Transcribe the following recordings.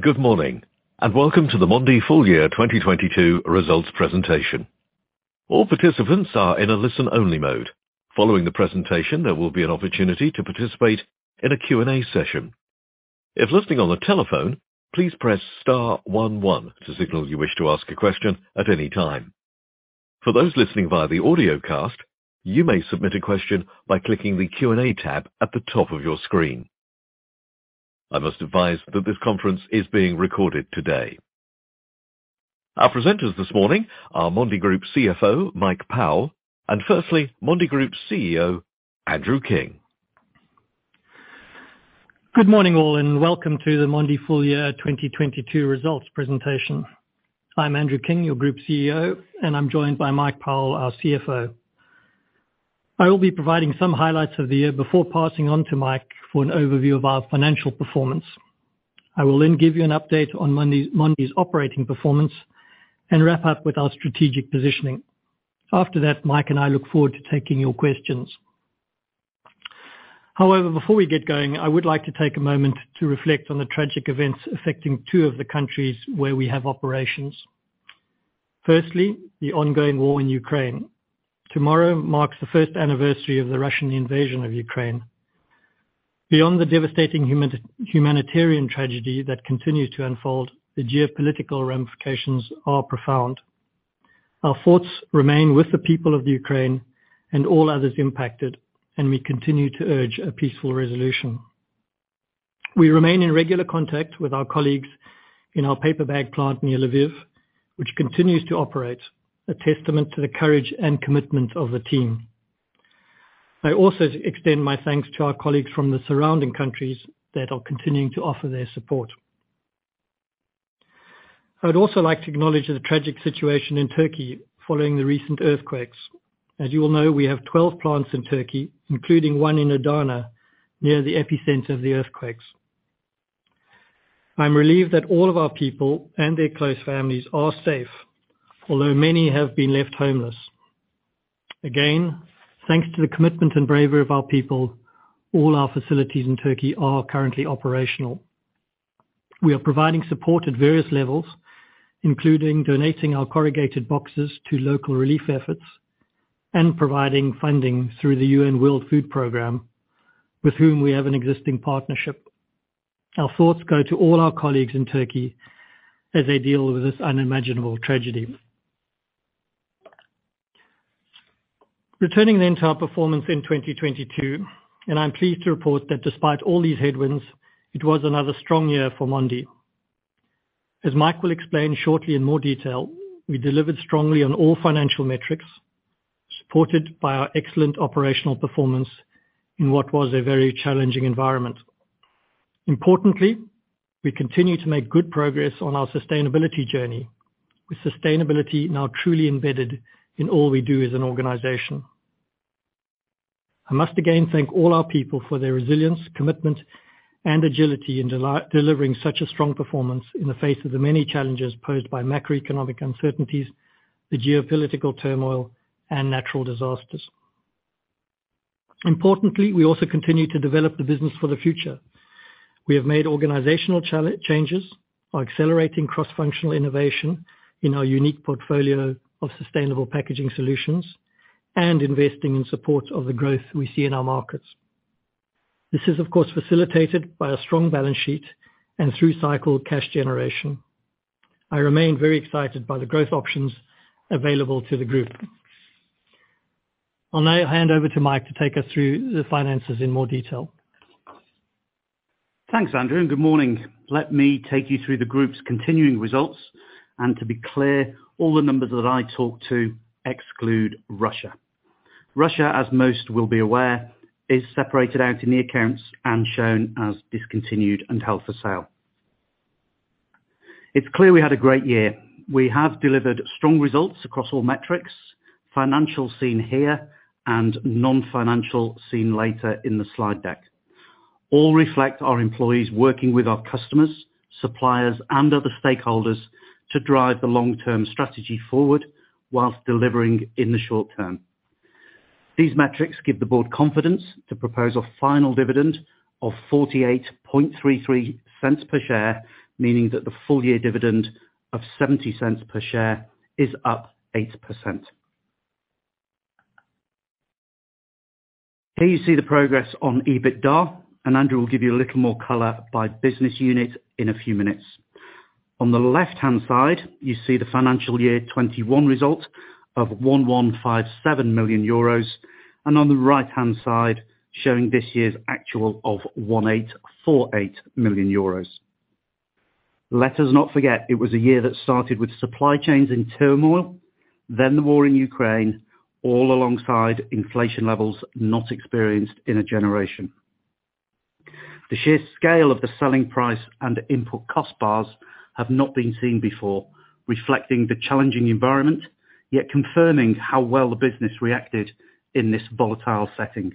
Good morning, welcome to the Mondi Full Year 2022 Results Presentation. All participants are in a listen-only mode. Following the presentation, there will be an opportunity to participate in a Q&A session. If listening on the telephone, please press star one one to signal you wish to ask a question at any time. For those listening via the audiocast, you may submit a question by clicking the Q&A tab at the top of your screen. I must advise that this conference is being recorded today. Our presenters this morning are Mondi Group CFO, Mike Powell, and firstly, Mondi Group CEO, Andrew King. Good morning, all, welcome to the Mondi Full Year 2022 Results Presentation. I'm Andrew King, your Group CEO, and I'm joined by Mike Powell, our CFO. I will be providing some highlights of the year before passing on to Mike for an overview of our financial performance. I will then give you an update on Mondi's operating performance and wrap up with our strategic positioning. After that, Mike and I look forward to taking your questions. However, before we get going, I would like to take a moment to reflect on the tragic events affecting two of the countries where we have operations. Firstly, the ongoing war in Ukraine. Tomorrow marks the first anniversary of the Russian invasion of Ukraine. Beyond the devastating humanitarian tragedy that continues to unfold, the geopolitical ramifications are profound. Our thoughts remain with the people of Ukraine and all others impacted. We continue to urge a peaceful resolution. We remain in regular contact with our colleagues in our paper bag plant near Lviv, which continues to operate a testament to the courage and commitment of the team. I also extend my thanks to our colleagues from the surrounding countries that are continuing to offer their support. I would also like to acknowledge the tragic situation in Turkey following the recent earthquakes. As you all know, we have 12 plants in Turkey, including one in Adana, near the epicenter of the earthquakes. I'm relieved that all of our people and their close families are safe, although many have been left homeless. Thanks to the commitment and bravery of our people, all our facilities in Turkey are currently operational. We are providing support at various levels, including donating our corrugated boxes to local relief efforts and providing funding through the UN World Food Programme, with whom we have an existing partnership. Our thoughts go to all our colleagues in Turkey as they deal with this unimaginable tragedy. Returning to our performance in 2022. I'm pleased to report that despite all these headwinds, it was another strong year for Mondi. As Mike will explain shortly in more detail, we delivered strongly on all financial metrics, supported by our excellent operational performance in what was a very challenging environment. Importantly, we continue to make good progress on our sustainability journey, with sustainability now truly embedded in all we do as an organization. I must again thank all our people for their resilience, commitment, and agility in delivering such a strong performance in the face of the many challenges posed by macroeconomic uncertainties, the geopolitical turmoil, and natural disasters. Importantly, we also continue to develop the business for the future. We have made organizational changes by accelerating cross-functional innovation in our unique portfolio of sustainable packaging solutions and investing in support of the growth we see in our markets. This is, of course, facilitated by a strong balance sheet and through-cycle cash generation. I remain very excited by the growth options available to the Group. I'll now hand over to Mike to take us through the finances in more detail. Thanks, Andrew, good morning. Let me take you through the group's continuing results. To be clear, all the numbers that I talk to exclude Russia. Russia, as most will be aware, is separated out in the accounts and shown as discontinued and held for sale. It's clear we had a great year. We have delivered strong results across all metrics, financial seen here and non-financial seen later in the slide deck. All reflect our employees working with our customers, suppliers, and other stakeholders to drive the long-term strategy forward while delivering in the short term. These metrics give the board confidence to propose a final dividend of 0.4833 per share, meaning that the full-year dividend of 0.70 per share is up 8%. Here you see the progress on EBITDA, and Andrew will give you a little more color by business unit in a few minutes. On the left-hand side, you see the financial year 2021 result of 1,157 million euros and on the right-hand side showing this year's actual of 1,848 million euros. Let us not forget, it was a year that started with supply chains in turmoil, then the war in Ukraine, all alongside inflation levels not experienced in a generation. The sheer scale of the selling price and input cost bars have not been seen before, reflecting the challenging environment, yet confirming how well the business reacted in this volatile setting.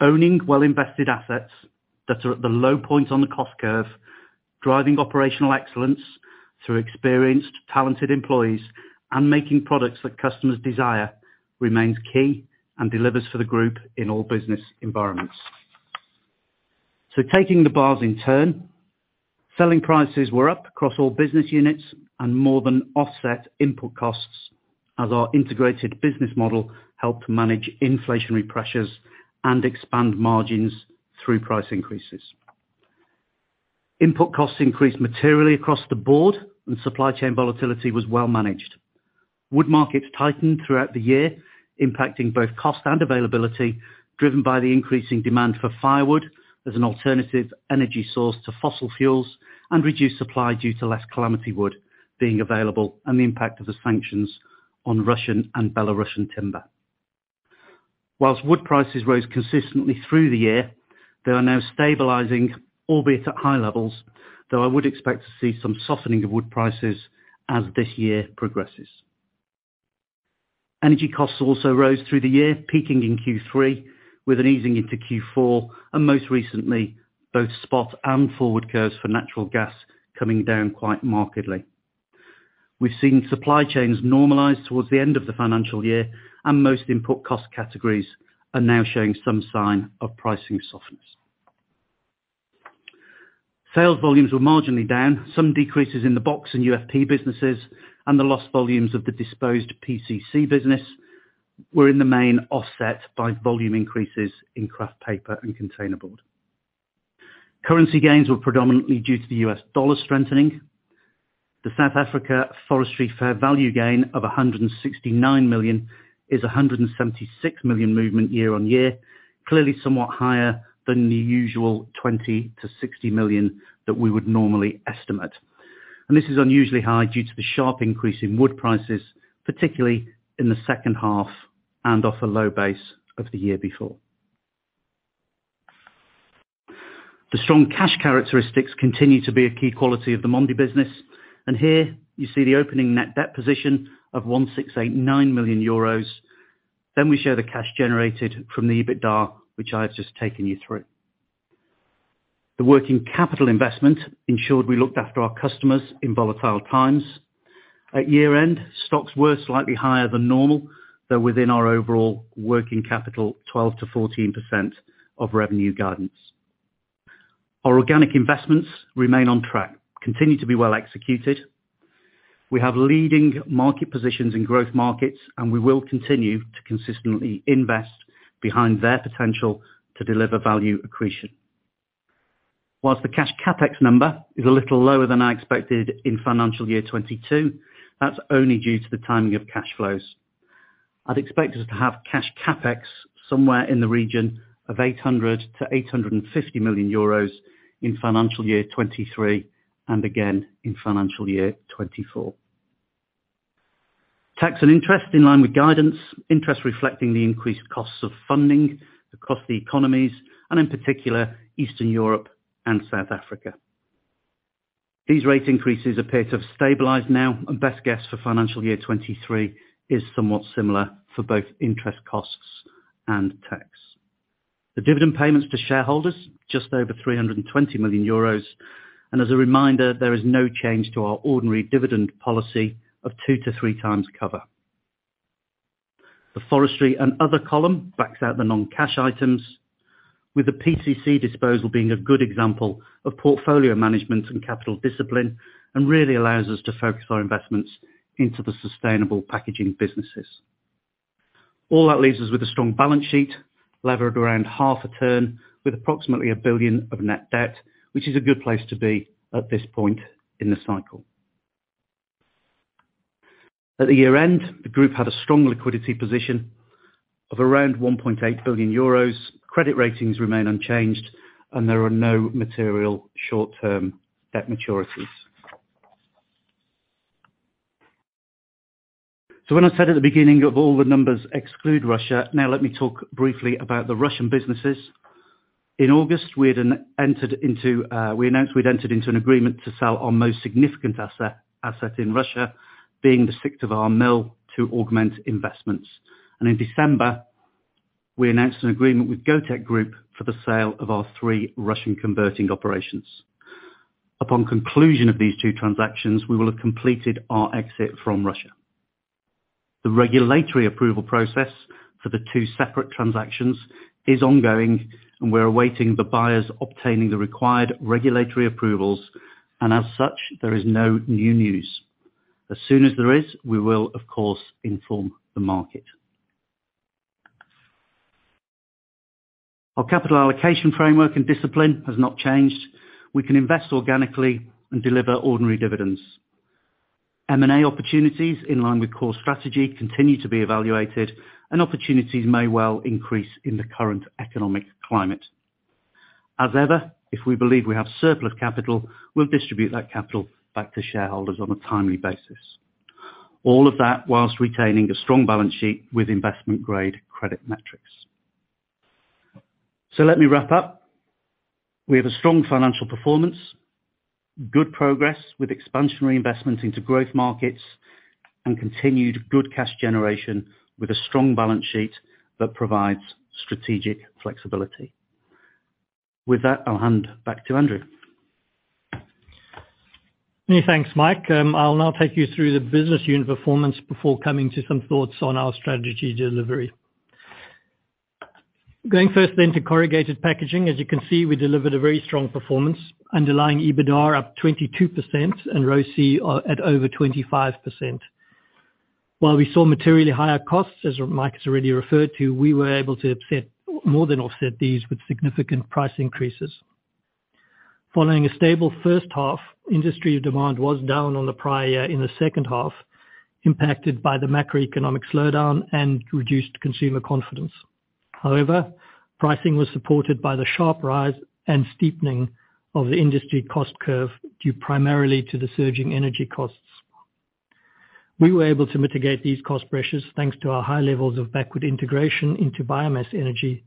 Owning well-invested assets that are at the low point on the cost curve. Driving operational excellence through experienced, talented employees and making products that customers desire remains key and delivers for the group in all business environments. Taking the bars in turn, selling prices were up across all business units and more than offset input costs as our integrated business model helped manage inflationary pressures and expand margins through price increases. Input costs increased materially across the board and supply chain volatility was well managed. Wood markets tightened throughout the year, impacting both cost and availability, driven by the increasing demand for firewood as an alternative energy source to fossil fuels and reduced supply due to less calamity wood being available and the impact of the sanctions on Russian and Belarusian timber. Whilst wood prices rose consistently through the year, they are now stabilizing, albeit at high levels, though I would expect to see some softening of wood prices as this year progresses. Energy costs also rose through the year, peaking in Q3 with an easing into Q4. Most recently, both spot and forward curves for natural gas coming down quite markedly. We've seen supply chains normalize towards the end of the financial year. Most input cost categories are now showing some sign of pricing softness. Sales volumes were marginally down. Some decreases in the box and UFP businesses and the lost volumes of the disposed PCC business were in the main offset by volume increases in Kraft Paper and containerboard. Currency gains were predominantly due to the US dollar strengthening. The South Africa forestry fair value gain of 169 million is a 176 million movement year-on-year, clearly somewhat higher than the usual 20 million-60 million that we would normally estimate. This is unusually high due to the sharp increase in wood prices, particularly in the H2 and off a low base of the year before. The strong cash characteristics continue to be a key quality of the Mondi business, and here you see the opening net debt position of 1,689 million euros. We show the cash generated from the EBITDA, which I have just taken you through. The working capital investment ensured we looked after our customers in volatile times. At year-end, stocks were slightly higher than normal, though within our overall working capital, 12%-14% of revenue guidance. Our organic investments remain on track, continue to be well executed. We have leading market positions in growth markets and we will continue to consistently invest behind their potential to deliver value accretion. Whilst the cash CapEx number is a little lower than I expected in financial year 2022, that's only due to the timing of cash flows. I'd expect us to have cash CapEx somewhere in the region of 800 million-850 million euros in financial year 2023 and again in financial year 2024. Tax and interest in line with guidance, interest reflecting the increased costs of funding across the economies, and in particular Eastern Europe and South Africa. These rate increases appear to have stabilized now and best guess for financial year 2023 is somewhat similar for both interest costs and tax. The dividend payments to shareholders, just over 320 million euros. As a reminder, there is no change to our ordinary dividend policy of 2-3 times cover. The forestry and other column backs out the non-cash items, with the PCC disposal being a good example of portfolio management and capital discipline and really allows us to focus our investments into the sustainable packaging businesses. That leaves us with a strong balance sheet, levered around half a turn with approximately 1 billion of net debt, which is a good place to be at this point in the cycle. At the year-end, the group had a strong liquidity position of around 1.8 billion euros. Credit ratings remain unchanged and there are no material short-term debt maturities. When I said at the beginning of all the numbers exclude Russia, now let me talk briefly about the Russian businesses. In August, we announced we'd entered into an agreement to sell our most significant asset in Russia being the Syktyvkar mill to Augment Investments. In December, we announced an agreement with Gotek Group for the sale of our three Russian converting operations. Upon conclusion of these two transactions, we will have completed our exit from Russia. The regulatory approval process for the two separate transactions is ongoing and we're awaiting the buyers obtaining the required regulatory approvals, and as such, there is no new news. As soon as there is, we will of course inform the market. Our capital allocation framework and discipline has not changed. We can invest organically and deliver ordinary dividends. M&A opportunities in line with core strategy continue to be evaluated and opportunities may well increase in the current economic climate. As ever, if we believe we have surplus capital, we'll distribute that capital back to shareholders on a timely basis. All of that while retaining a strong balance sheet with investment-grade credit metrics. Let me wrap up. We have a strong financial performance, good progress with expansionary investments into growth markets. Continued good cash generation with a strong balance sheet that provides strategic flexibility. With that, I'll hand back to Andrew. Many thanks, Mike. I'll now take you through the business unit performance before coming to some thoughts on our strategy delivery. Going first to corrugated packaging. As you can see, we delivered a very strong performance. Underlying EBITDA up 22% and ROCE at over 25%. While we saw materially higher costs, as Mike has already referred to, we were able to more than offset these with significant price increases. Following a stable H1, industry demand was down on the prior year in the H2, impacted by the macroeconomic slowdown and reduced consumer confidence. Pricing was supported by the sharp rise and steepening of the industry cost curve, due primarily to the surging energy costs. We were able to mitigate these cost pressures thanks to our high levels of backward integration into biomass energy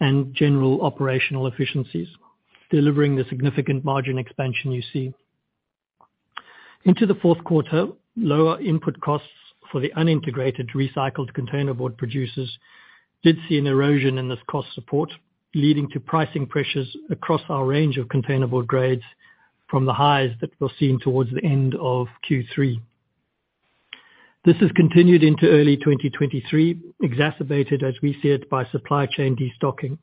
and general operational efficiencies, delivering the significant margin expansion you see. Into the 4th quarter, lower input costs for the unintegrated Recycled Containerboard producers did see an erosion in this cost support, leading to pricing pressures across our range of containerboard grades from the highs that were seen towards the end of Q3. This has continued into early 2023, exacerbated as we see it by supply chain destocking.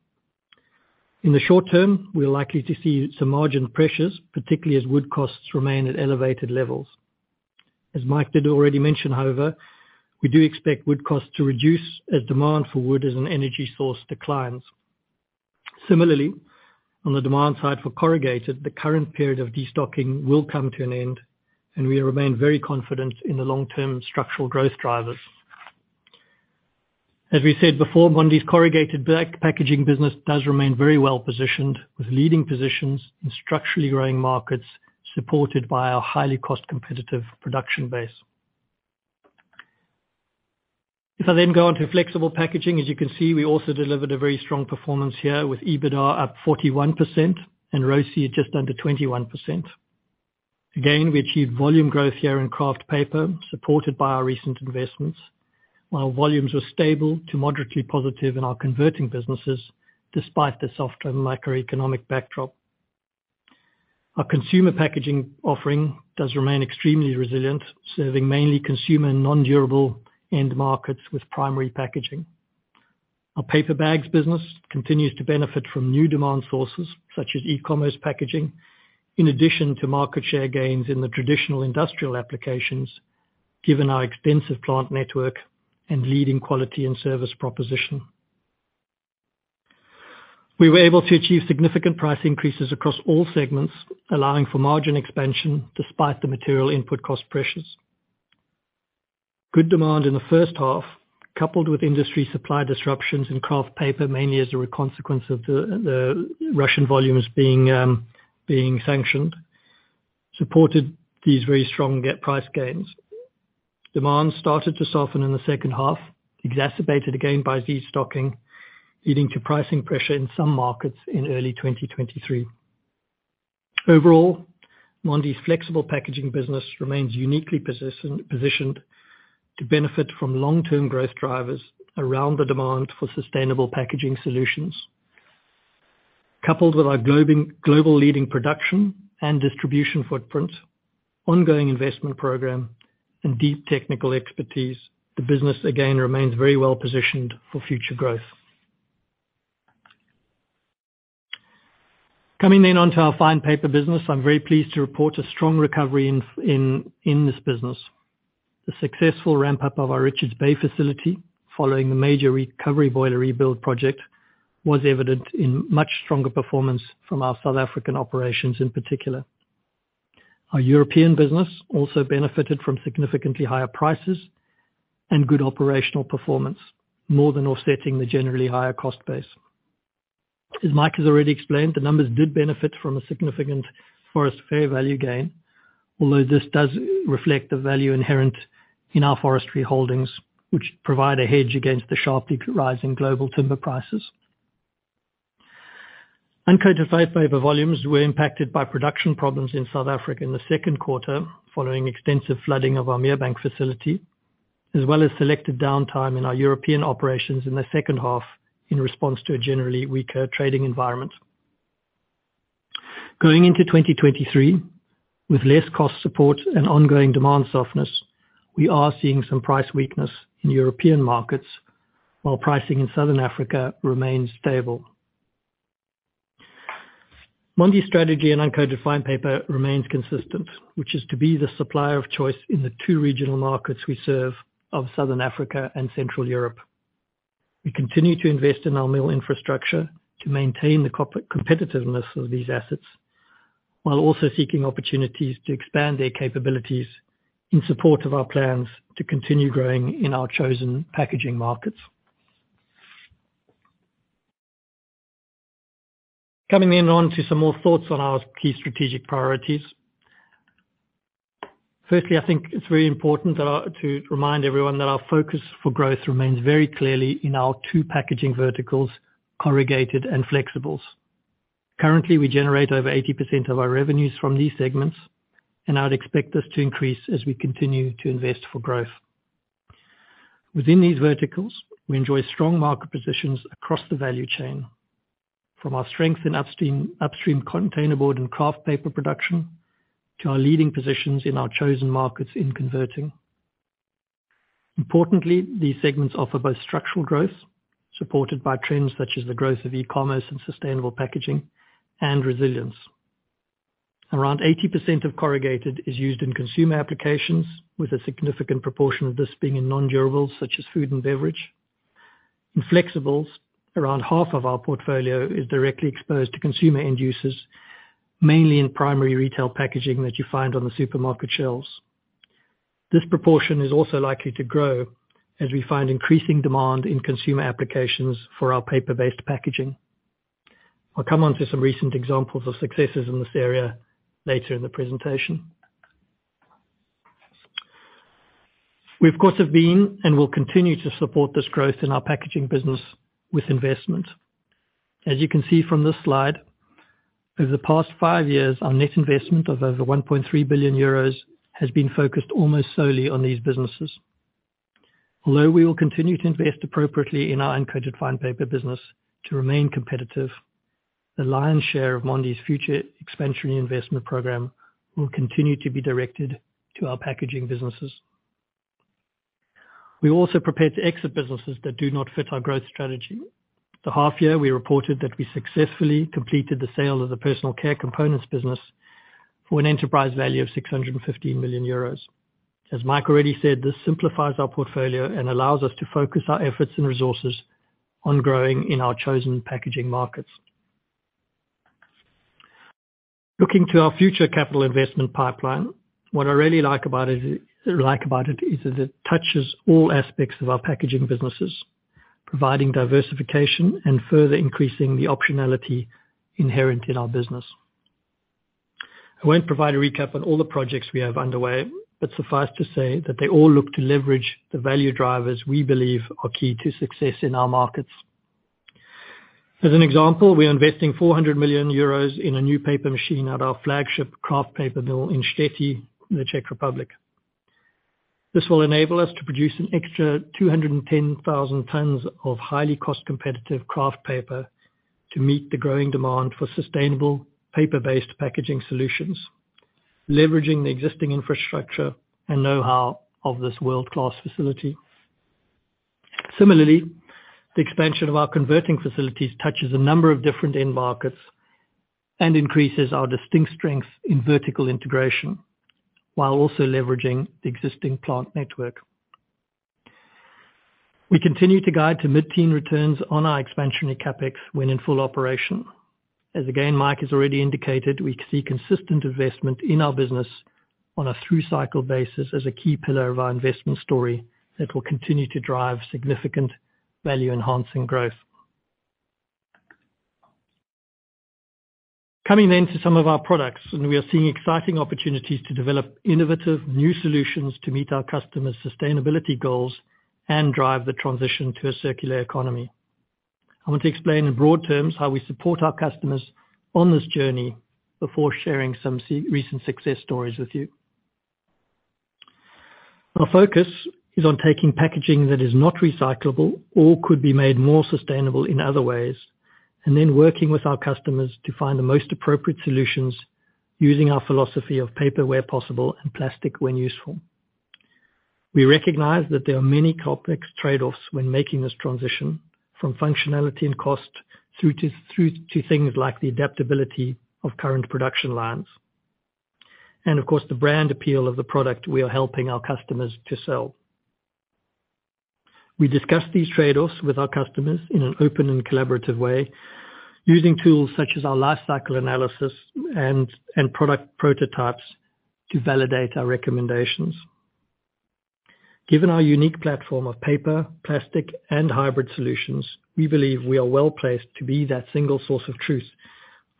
In the short term, we are likely to see some margin pressures, particularly as wood costs remain at elevated levels. As Mike did already mention, however, we do expect wood costs to reduce as demand for wood as an energy source declines. Similarly, on the demand side for corrugated, the current period of destocking will come to an end, and we remain very confident in the long-term structural growth drivers. As we said before, Mondi's corrugated black packaging business does remain very well-positioned, with leading positions in structurally growing markets supported by our highly cost-competitive production base. I then go on to flexible packaging, as you can see, we also delivered a very strong performance here with EBITDA up 41% and ROCE at just under 21%. Again, we achieved volume growth here in Kraft Paper, supported by our recent investments, while volumes were stable to moderately positive in our converting businesses despite the softer macroeconomic backdrop. Our consumer packaging offering does remain extremely resilient, serving mainly consumer non-durable end markets with primary packaging. Our paper bags business continues to benefit from new demand sources such as e-commerce packaging, in addition to market share gains in the traditional industrial applications, given our extensive plant network and leading quality and service proposition. We were able to achieve significant price increases across all segments, allowing for margin expansion despite the material input cost pressures. Good demand in the H1, coupled with industry supply disruptions in Kraft Paper, mainly as a consequence of the Russian volumes being sanctioned, supported these very strong get price gains. Demand started to soften in the H2, exacerbated again by destocking, leading to pricing pressure in some markets in early 2023. Overall, Mondi's flexible packaging business remains uniquely positioned to benefit from long-term growth drivers around the demand for sustainable packaging solutions. Coupled with our global leading production and distribution footprint, ongoing investment program, and deep technical expertise, the business again remains very well-positioned for future growth. Coming on to our fine paper business. I'm very pleased to report a strong recovery in this business. The successful ramp-up of our Richards Bay facility following the major recovery boiler rebuild project was evident in much stronger performance from our South African operations in particular. Our European business also benefited from significantly higher prices and good operational performance, more than offsetting the generally higher cost base. As Mike has already explained, the numbers did benefit from a significant forest fair value gain, although this does reflect the value inherent in our forestry holdings, which provide a hedge against the sharply rising global timber prices. Uncoated Fine Paper volumes were impacted by production problems in South Africa in the second quarter, following extensive flooding of our Merebank facility, as well as selected downtime in our European operations in the H2 in response to a generally weaker trading environment. Going into 2023, with less cost support and ongoing demand softness, we are seeing some price weakness in European markets, while pricing in Southern Africa remains stable. Mondi's strategy in Uncoated Fine Paper remains consistent, which is to be the supplier of choice in the two regional markets we serve of Southern Africa and Central Europe. We continue to invest in our mill infrastructure to maintain the corporate competitiveness of these assets, while also seeking opportunities to expand their capabilities in support of our plans to continue growing in our chosen packaging markets. Coming on to some more thoughts on our key strategic priorities. Firstly, I think it's very important to remind everyone that our focus for growth remains very clearly in our two packaging verticals, corrugated and flexibles. Currently, we generate over 80% of our revenues from these segments, and I'd expect this to increase as we continue to invest for growth. Within these verticals, we enjoy strong market positions across the value chain, from our strength in upstream containerboard and Kraft Paper production to our leading positions in our chosen markets in converting. Importantly, these segments offer both structural growth, supported by trends such as the growth of e-commerce and sustainable packaging and resilience. Around 80% of corrugated is used in consumer applications, with a significant proportion of this being in non-durables such as food and beverage. In flexibles, around half of our portfolio is directly exposed to consumer end users, mainly in primary retail packaging that you find on the supermarket shelves. This proportion is also likely to grow as we find increasing demand in consumer applications for our paper-based packaging. I'll come on to some recent examples of successes in this area later in the presentation. We of course have been and will continue to support this growth in our packaging business with investment. As you can see from this slide, over the past five years, our net investment of over 1.3 billion euros has been focused almost solely on these businesses. Although we will continue to invest appropriately in our Uncoated Fine Paper business to remain competitive, the lion's share of Mondi's future expansionary investment program will continue to be directed to our packaging businesses. We also prepare to exit businesses that do not fit our growth strategy. The half-year we reported that we successfully completed the sale of the Personal Care Components business for an enterprise value of 650 million euros. As Mike already said, this simplifies our portfolio and allows us to focus our efforts and resources on growing in our chosen packaging markets. Looking to our future capital investment pipeline, what I really like about it is that it touches all aspects of our packaging businesses, providing diversification and further increasing the optionality inherent in our business. Suffice to say that they all look to leverage the value drivers we believe are key to success in our markets. An example, we are investing 400 million euros in a new paper machine at our flagship Kraft Paper mill in Štětí in the Czech Republic. This will enable us to produce an extra 210,000 tons of highly cost-competitive Kraft Paper to meet the growing demand for sustainable paper-based packaging solutions, leveraging the existing infrastructure and know-how of this world-class facility. The expansion of our converting facilities touches a number of different end markets and increases our distinct strength in vertical integration, while also leveraging the existing plant network. We continue to guide to mid-teen returns on our expansionary CapEx when in full operation. Again, Mike has already indicated, we see consistent investment in our business on a through cycle basis as a key pillar of our investment story that will continue to drive significant value-enhancing growth. Coming to some of our products, we are seeing exciting opportunities to develop innovative new solutions to meet our customers' sustainability goals and drive the transition to a circular economy. I want to explain in broad terms how we support our customers on this journey before sharing some recent success stories with you. Our focus is on taking packaging that is not recyclable or could be made more sustainable in other ways, then working with our customers to find the most appropriate solutions using our philosophy of paper where possible and plastic when useful. We recognize that there are many complex trade-offs when making this transition from functionality and cost through to things like the adaptability of current production lines, and of course, the brand appeal of the product we are helping our customers to sell. We discuss these trade-offs with our customers in an open and collaborative way using tools such as our life cycle analysis and product prototypes to validate our recommendations. Given our unique platform of paper, plastic, and hybrid solutions, we believe we are well-placed to be that single source of truth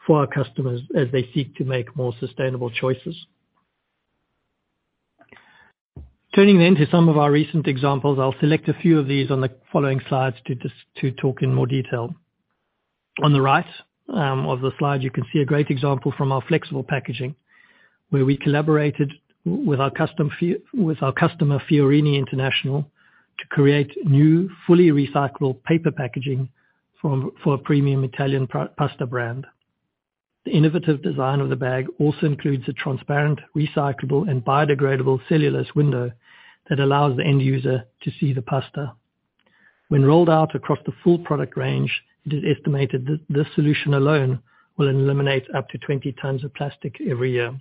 for our customers as they seek to make more sustainable choices. Turning then to some of our recent examples, I'll select a few of these on the following slides to talk in more detail. On the right of the slide, you can see a great example from our flexible packaging, where we collaborated with our customer, Fiorini International, to create new fully recyclable paper packaging for a premium Italian pasta brand. The innovative design of the bag also includes a transparent, recyclable, and biodegradable cellulose window that allows the end user to see the pasta. When rolled out across the full product range, it is estimated that this solution alone will eliminate up to 20 tons of plastic every year.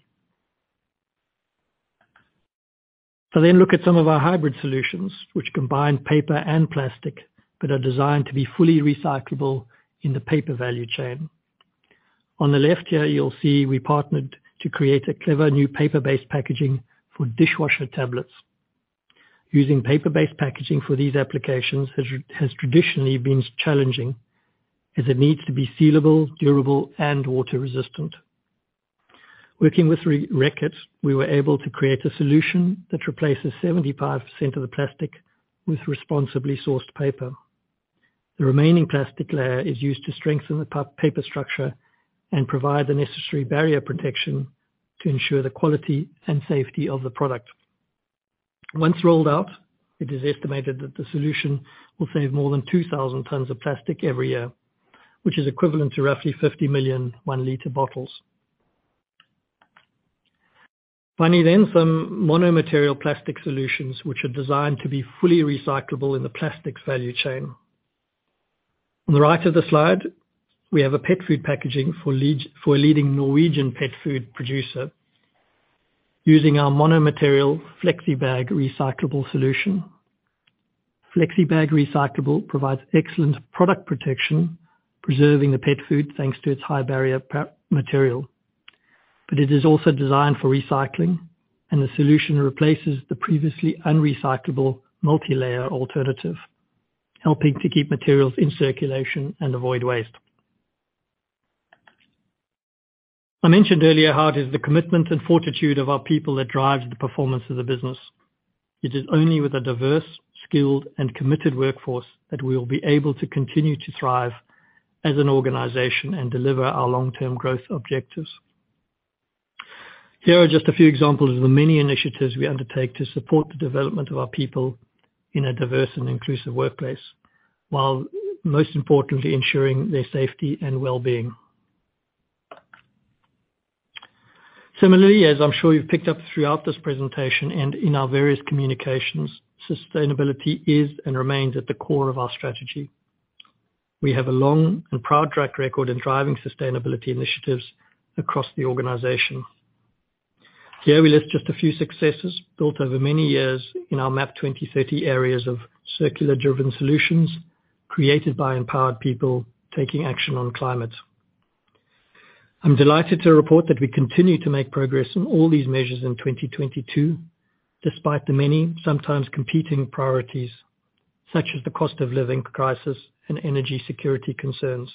I'll look at some of our hybrid solutions, which combine paper and plastic that are designed to be fully recyclable in the paper value chain. On the left here, you'll see we partnered to create a clever new paper-based packaging for dishwasher tablets. Using paper-based packaging for these applications has traditionally been challenging, as it needs to be sealable, durable, and water resistant. Working with Reckitt, we were able to create a solution that replaces 75% of the plastic with responsibly sourced paper. The remaining plastic layer is used to strengthen the paper structure and provide the necessary barrier protection to ensure the quality and safety of the product. Once rolled out, it is estimated that the solution will save more than 2,000 tons of plastic every year, which is equivalent to roughly 50 million 1 liter bottles. Some mono-material plastic solutions which are designed to be fully recyclable in the plastic value chain. On the right of the slide, we have a pet food packaging for a leading Norwegian pet food producer using our mono-material FlexiBag Recyclable solution. FlexiBag Recyclable provides excellent product protection, preserving the pet food, thanks to its high barrier material. It is also designed for recycling, and the solution replaces the previously unrecyclable multi-layer alternative, helping to keep materials in circulation and avoid waste. I mentioned earlier how it is the commitment and fortitude of our people that drives the performance of the business. It is only with a diverse, skilled, and committed workforce that we will be able to continue to thrive as an organization and deliver our long-term growth objectives. Here are just a few examples of the many initiatives we undertake to support the development of our people in a diverse and inclusive workplace, while most importantly ensuring their safety and well-being. Similarly, as I'm sure you've picked up throughout this presentation and in our various communications, sustainability is and remains at the core of our strategy. We have a long and proud track record in driving sustainability initiatives across the organization. Here we list just a few successes built over many years in our MAP2030 areas of circular driven solutions created by empowered people taking action on climate. I'm delighted to report that we continue to make progress on all these measures in 2022, despite the many, sometimes competing priorities, such as the cost of living crisis and energy security concerns.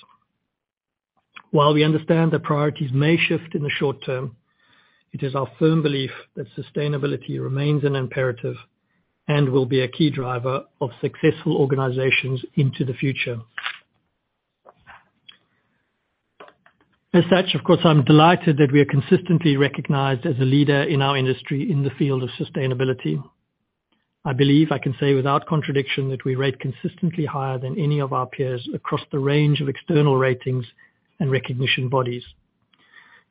While we understand that priorities may shift in the short term, it is our firm belief that sustainability remains an imperative and will be a key driver of successful organizations into the future. As such, of course, I'm delighted that we are consistently recognized as a leader in our industry in the field of sustainability. I believe I can say without contradiction that we rate consistently higher than any of our peers across the range of external ratings and recognition bodies.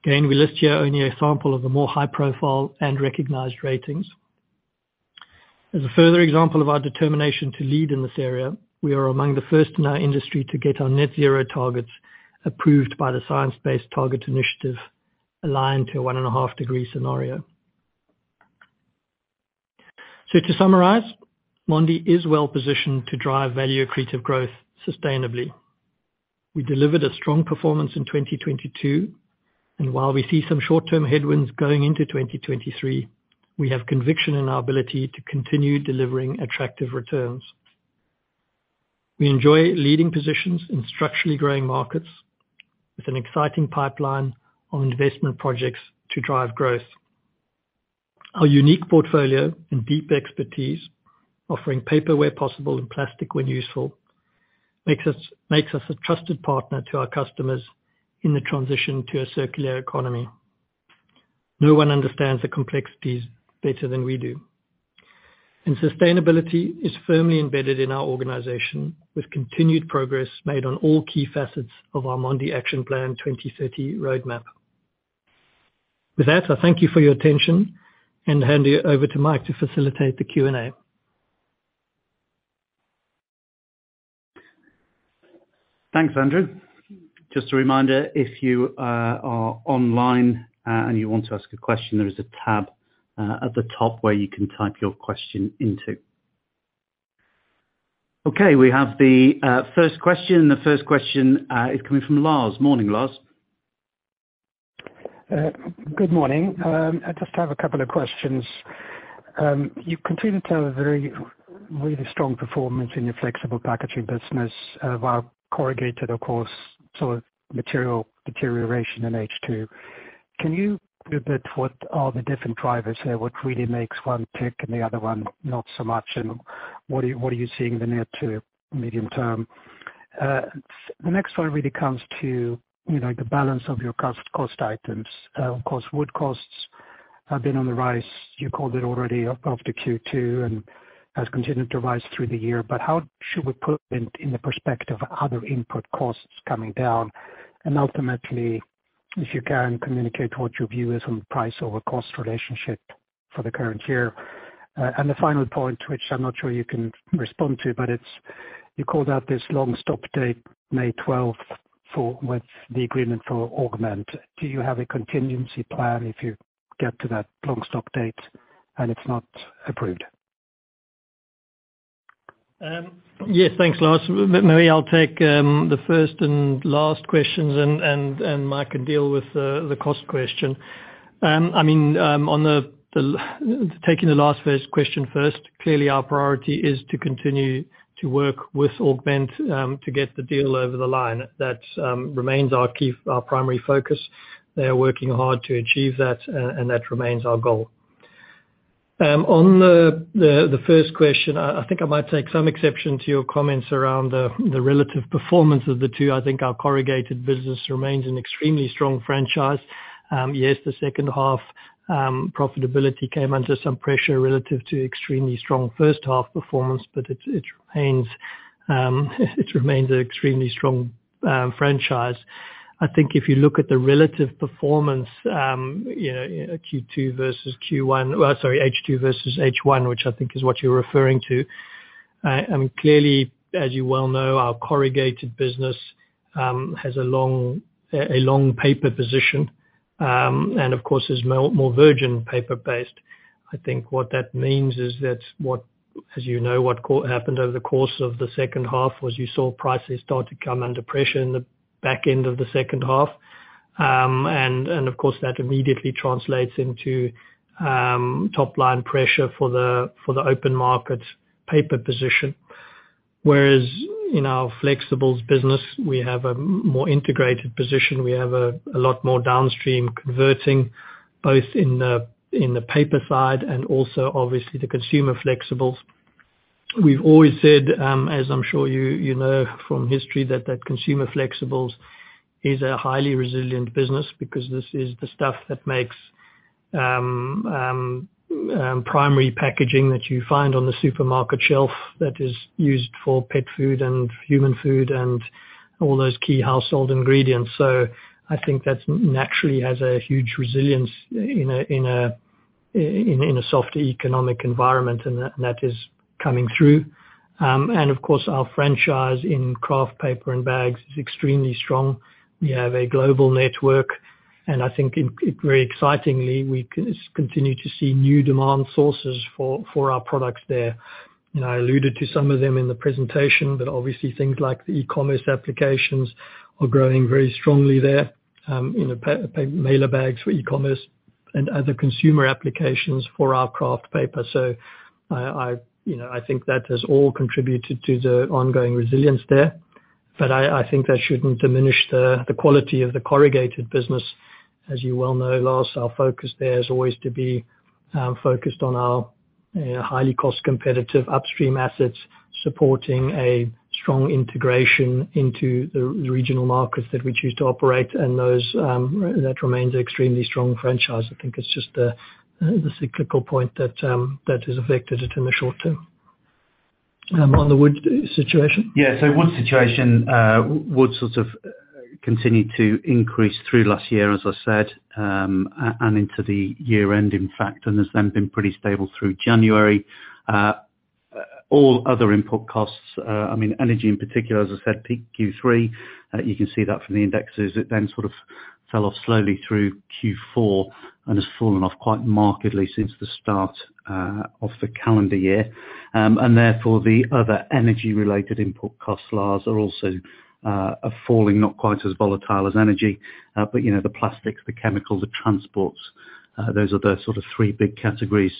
Again, we list here only a sample of the more high profile and recognized ratings. As a further example of our determination to lead in this area, we are among the first in our industry to get our net zero targets approved by the Science Based Targets initiative, aligned to a 1.5 degree scenario. To summarize, Mondi is well positioned to drive value accretive growth sustainably. We delivered a strong performance in 2022, and while we see some short-term headwinds going into 2023, we have conviction in our ability to continue delivering attractive returns. We enjoy leading positions in structurally growing markets with an exciting pipeline of investment projects to drive growth. Our unique portfolio and deep expertise offering paper where possible and plastic when useful makes us a trusted partner to our customers in the transition to a circular economy. No one understands the complexities better than we do. Sustainability is firmly embedded in our organization with continued progress made on all key facets of our Mondi Action Plan 2030 roadmap. With that, I thank you for your attention and hand you over to Mike to facilitate the Q&A. Thanks, Andrew. Just a reminder, if you are online, and you want to ask a question, there is a tab at the top where you can type your question into. Okay. We have the first question. The first question is coming from Lars. Morning, Lars. Good morning. I just have a couple of questions. You continued to have a very, really strong performance in your flexible packaging business, while corrugated of course, saw material deterioration in H2. Can you repeat what are the different drivers here? What really makes one tick and the other one not so much? What are you seeing in the near to medium term? The next one really comes to, you know, the balance of your cost items. Of course, wood costs have been on the rise. You called it already of the Q2 and has continued to rise through the year. How should we put in the perspective other input costs coming down? Ultimately, if you can, communicate what your view is on price over cost relationship for the current year. The final point, which I'm not sure you can respond to, but it's, you called out this long stop date May 12th With the agreement for Augment. Do you have a contingency plan if you get to that long stop date and it's not approved? Yes, thanks, Lars. Maybe I'll take the first and last questions and Mike can deal with the cost question. I mean, on the Taking the last first, question first, clearly our priority is to continue to work with Augment to get the deal over the line. That remains our key, our primary focus. They are working hard to achieve that, and that remains our goal. On the first question, I think I might take some exception to your comments around the relative performance of the two. I think our corrugated business remains an extremely strong franchise. Yes, the H2 profitability came under some pressure relative to extremely strong H1 performance, but it remains an extremely strong franchise. I think if you look at the relative performance, you know, Q2 versus Q1, sorry, H2 versus H1, which I think is what you're referring to, I mean, clearly, as you well know, our corrugated business has a long paper position, and of course is more virgin paper-based. I think what that means is that what, as you know, happened over the course of the H2 was you saw prices start to come under pressure in the back end of the H2. Of course that immediately translates into top line pressure for the open market paper position. Whereas, in our flexibles business, we have a more integrated position. We have a lot more downstream converting both in the paper side and also obviously the consumer flexibles. We've always said, as I'm sure you know from history, that consumer flexibles is a highly resilient business because this is the stuff that makes primary packaging that you find on the supermarket shelf that is used for pet food and human food and all those key household ingredients. I think that naturally has a huge resilience in a soft economic environment, and that is coming through. Of course, our franchise in Kraft Paper and bags is extremely strong. We have a global network, I think it very excitingly we continue to see new demand sources for our products there. I alluded to some of them in the presentation, but obviously things like the e-commerce applications are growing very strongly there, in the mailer bags for e-commerce and other consumer applications for our Kraft Paper. I, you know, I think that has all contributed to the ongoing resilience there. I think that shouldn't diminish the quality of the corrugated business. As you well know, Lars, our focus there is always to be focused on our highly cost competitive upstream assets, supporting a strong integration into the regional markets that we choose to operate and those that remains an extremely strong franchise. I think it's just the cyclical point that has affected it in the short term. On the wood situation? Yeah. Wood situation, wood sort of continued to increase through last year, as I said, and into the year end, in fact, and has then been pretty stable through January. All other input costs, I mean, energy in particular, as I said, peak Q3, you can see that from the indexes. It then sort of fell off slowly through Q4 and has fallen off quite markedly since the start of the calendar year. Therefore the other energy-related input costs, Lars, are also falling not quite as volatile as energy. You know, the plastics, the chemicals, the transports, those are the sort of three big categories,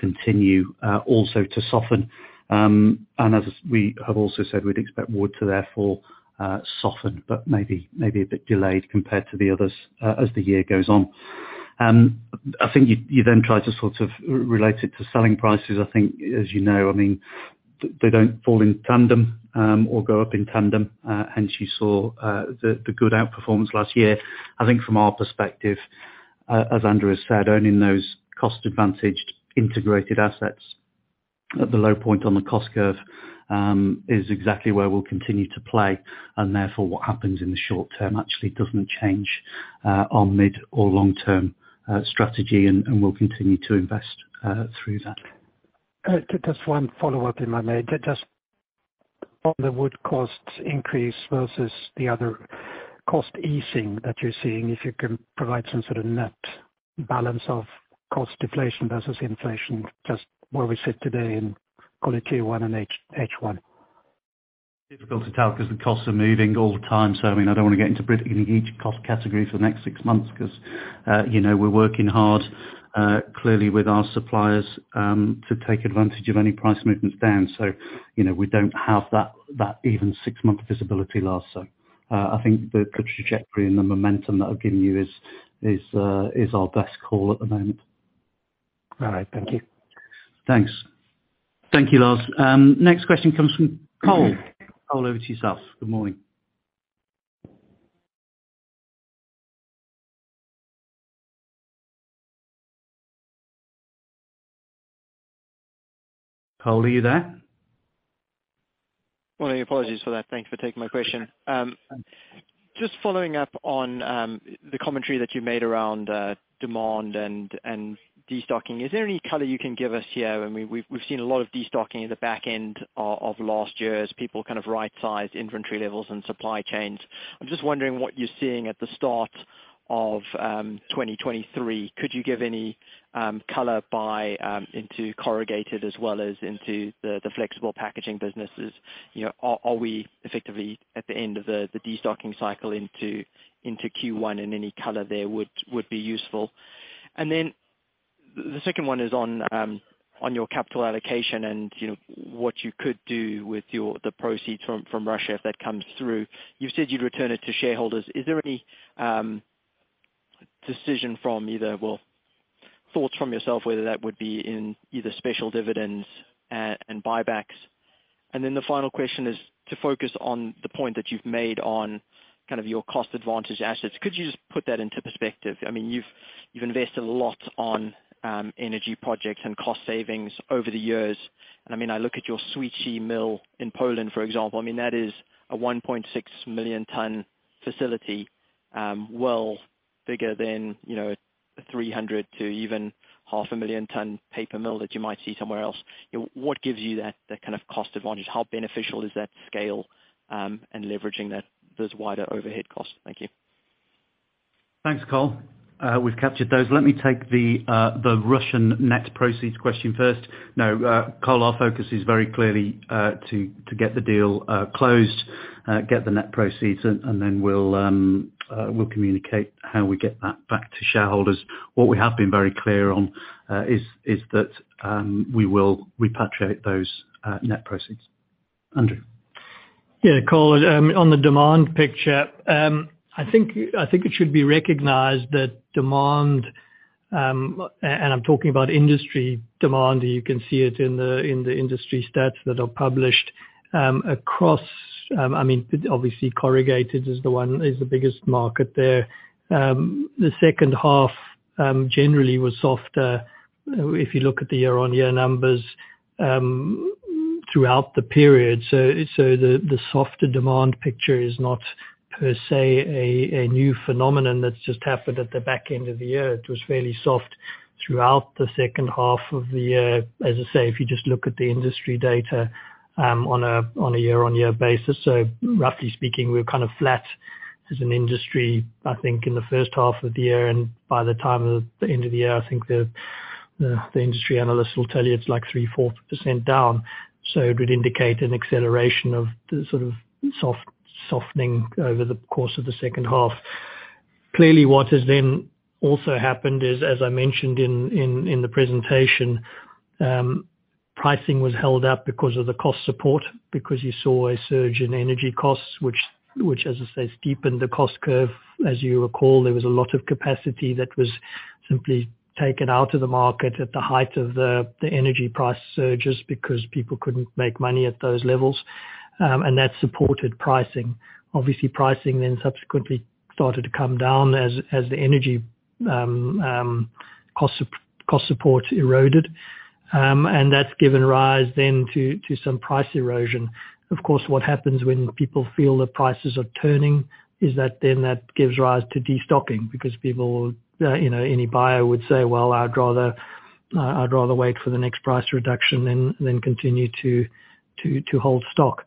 continue also to soften. As we have also said, we'd expect wood to therefore soften, but maybe a bit delayed compared to the others as the year goes on. I think you then tried to sort of relate it to selling prices. I think as you know, they don't fall in tandem or go up in tandem. You saw the good outperformance last year. I think from our perspective, as Andrew has said, owning those cost advantaged integrated assets at the low point on the cost curve is exactly where we'll continue to play. Therefore what happens in the short term actually doesn't change our mid or long-term strategy and we'll continue to invest through that. Just one follow-up, if I may. Just on the wood cost increase versus the other cost easing that you're seeing, if you can provide some sort of net balance of cost deflation versus inflation, just where we sit today in calling Q1 and H1. Difficult to tell because the costs are moving all the time. I mean, I don't wanna get into predicting each cost category for the next six months because, you know, we're working hard, clearly with our suppliers, to take advantage of any price movements down. You know, we don't have that even six-month visibility last. I think the trajectory and the momentum that I've given you is our best call at the moment. All right. Thank you. Thanks. Thank you, Lars. Next question comes from Cole. Cole, over to yourself. Good morning. Cole, are you there? Morning. Apologies for that. Thank you for taking my question. Just following up on the commentary that you made around demand and destocking. Is there any color you can give us here? I mean, we've seen a lot of destocking at the back end of last year as people kind of right-sized inventory levels and supply chains. I'm just wondering what you're seeing at the start of 2023. Could you give any color by into corrugated as well as into the flexible packaging businesses? You know, are we effectively at the end of the destocking cycle into Q1 and any color there would be useful. The second one is on your capital allocation and, you know, what you could do with your, the proceeds from Russia if that comes through. You've said you'd return it to shareholders. Is there any decision from either, well, thoughts from yourself whether that would be in either special dividends and buybacks. The final question is to focus on the point that you've made on kind of your cost advantage assets. Could you just put that into perspective? I mean, you've invested a lot on energy projects and cost savings over the years. I mean, I look at your Świecie mill in Poland, for example. I mean, that is a 1.6 million ton facility, well bigger than, you know, 300 to even half a million ton paper mill that you might see somewhere else. You know, what gives you that kind of cost advantage? How beneficial is that scale and leveraging that, those wider overhead costs? Thank you. Thanks, Cole. We've captured those. Let me take the Russian net proceeds question first. No, Cole, our focus is very clearly to get the deal closed, get the net proceeds, and then we'll communicate how we get that back to shareholders. What we have been very clear on is that we will repatriate those net proceeds. Andrew. Yeah, Cole. On the demand picture, I think it should be recognized that demand, and I'm talking about industry demand, you can see it in the industry stats that are published, across, I mean, obviously corrugated is the biggest market there. The H2, generally was softer if you look at the year-on-year numbers, throughout the period. The softer demand picture is not per se a new phenomenon that's just happened at the back end of the year. It was fairly soft throughout the H2 of the year. As I say, if you just look at the industry data, on a year-on-year basis. Roughly speaking, we're kind of flat as an industry, I think, in the H1 of the year, and by the time of the end of the year, I think the industry analysts will tell you it's like 3%, 4% down. It would indicate an acceleration of the sort of soft-softening over the course of the H2. Clearly what has then also happened is, as I mentioned in the presentation, pricing was held up because of the cost support, because you saw a surge in energy costs, which, as I say, steepened the cost curve. As you recall, there was a lot of capacity that was simply taken out of the market at the height of the energy price surges because people couldn't make money at those levels. And that supported pricing. Obviously, pricing then subsequently started to come down as the energy cost support eroded. That's given rise then to some price erosion. Of course, what happens when people feel the prices are turning is that then that gives rise to destocking because people, you know, any buyer would say, "Well, I'd rather wait for the next price reduction than continue to hold stock."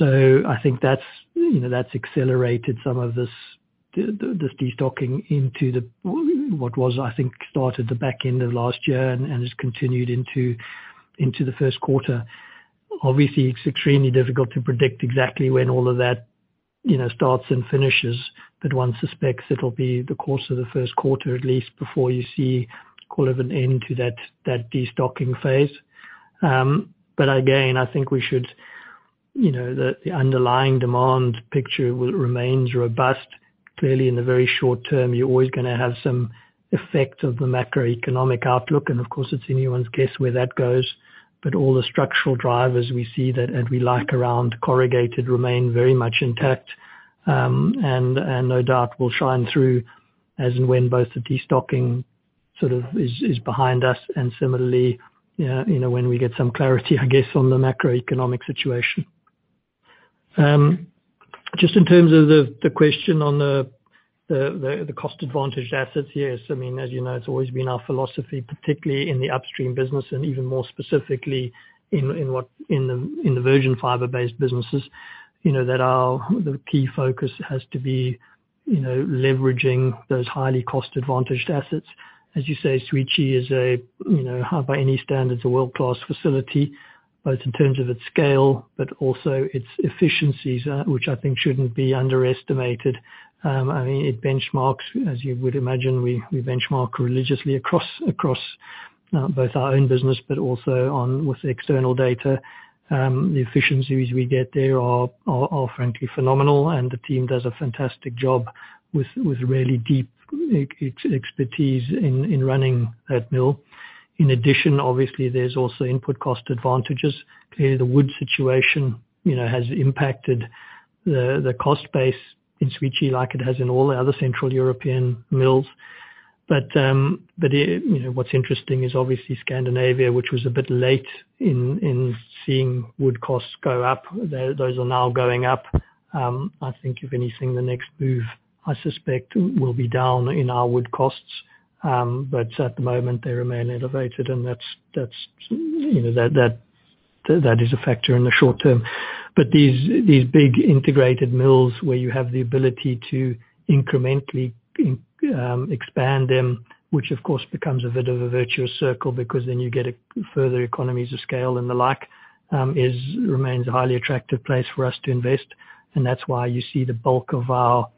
I think that's, you know, that's accelerated some of this destocking into what was, I think, started the back end of last year and has continued into the first quarter. Obviously, it's extremely difficult to predict exactly when all of that, you know, starts and finishes, but one suspects it'll be the course of the first quarter at least before you see call it an end to that destocking phase. Again, I think we should, you know, the underlying demand picture remains robust. Clearly, in the very short term, you're always gonna have some effects of the macroeconomic outlook and of course it's anyone's guess where that goes. All the structural drivers we see that, and we like around corrugated remain very much intact, and no doubt will shine through as and when both the destocking sort of is behind us and similarly, you know, when we get some clarity, I guess, on the macroeconomic situation. Just in terms of the question on the cost advantage assets, yes. I mean, as you know, it's always been our philosophy, particularly in the upstream business and even more specifically in what, in the virgin fiber-based businesses, you know, that our key focus has to be, you know, leveraging those highly cost-advantaged assets. As you say, Świecie is a, you know, by any standards, a world-class facility, both in terms of its scale, but also its efficiencies, which I think shouldn't be underestimated. I mean, it benchmarks, as you would imagine, we benchmark religiously across both our own business, but also on with external data. The efficiencies we get there are frankly phenomenal, and the team does a fantastic job with really deep expertise in running that mill. In addition, obviously, there's also input cost advantages. Clearly, the wood situation, you know, has impacted the cost base in Świecie like it has in all the other Central European mills. You know, what's interesting is obviously Scandinavia, which was a bit late in seeing wood costs go up. Those are now going up. I think if anything, the next move I suspect will be down in our wood costs. At the moment they remain elevated and that's, you know, that is a factor in the short term. These big integrated mills where you have the ability to incrementally expand them, which of course becomes a bit of a virtuous circle because then you get a further economies of scale and the like, remains a highly attractive place for us to invest. That's why you see the bulk of our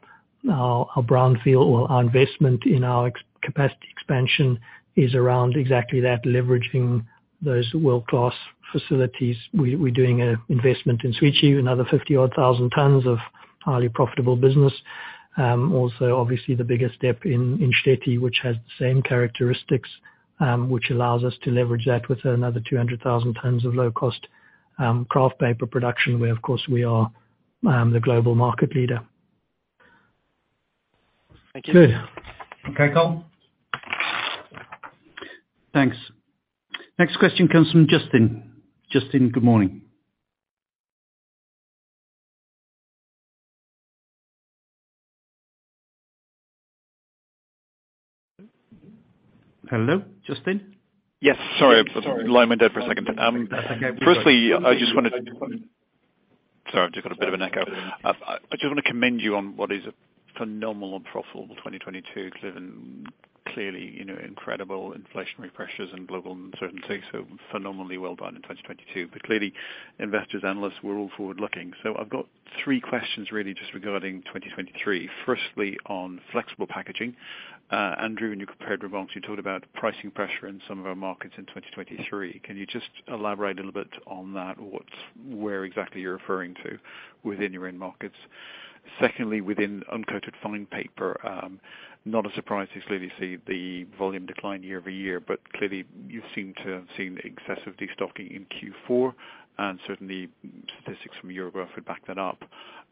brownfield or our investment in capacity expansion is around exactly that, leveraging those world-class facilities. We're doing a investment in Świecie another 50,000 odd tons of highly profitable business. Also obviously the bigger step in Štětí, which has the same characteristics, which allows us to leverage that with another 200,000 tons of low cost Kraft Paper production, where of course we are the global market leader. Thank you. Good. Okay, Cole. Thanks. Next question comes from Justin. Justin, good morning. Hello, Justin? Yes, sorry. Line went dead for a second. Firstly I just wanted to..Sorry, I've just got a bit of an echo. I just wanna commend you on what is a phenomenal and profitable 2022. Clearly, you know, incredible inflationary pressures and global uncertainty, so phenomenally well done in 2022. Clearly investors, analysts, we're all forward-looking. I've got three questions really just regarding 2023. Firstly, on flexible packaging. Andrew, when you compared remarks, you talked about pricing pressure in some of our markets in 2023. Can you just elaborate a little bit on that? Where exactly you're referring to within your end markets. Secondly, within uncoated fine paper, not a surprise to clearly see the volume decline year-over-year, but clearly you seem to have seen excessive destocking in Q4, and certainly statistics from Euro-Graph would back that up.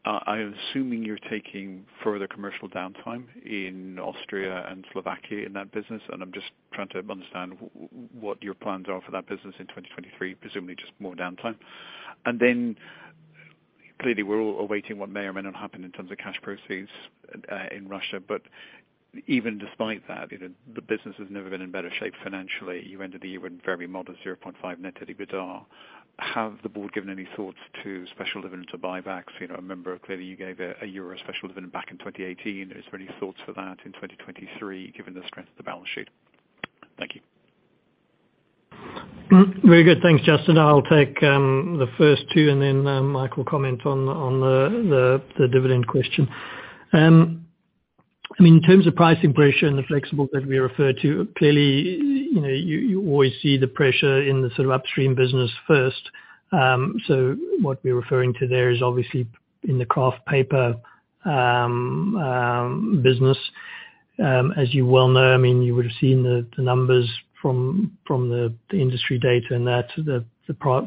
I'm assuming you're taking further commercial downtime in Austria and Slovakia in that business, and I'm just trying to understand what your plans are for that business in 2023, presumably just more downtime. Clearly we're all awaiting what may or may not happen in terms of cash proceeds in Russia. Even despite that, you know, the business has never been in better shape financially. You ended the year in very modest 0.5 net debt EBITDA. Have the board given any thoughts to special dividends or buybacks? You know, I remember clearly you gave a euro special dividend back in 2018. Is there any thoughts for that in 2023, given the strength of the balance sheet? Thank you. Very good. Thanks, Justin. I'll take the first two, and then Mike will comment on the dividend question. I mean, in terms of pricing pressure in the flexible that we referred to, clearly, you know, you always see the pressure in the sort of upstream business first. So what we're referring to there is obviously in the Kraft Paper business. As you well know, I mean, you would've seen the numbers from the industry data and that, the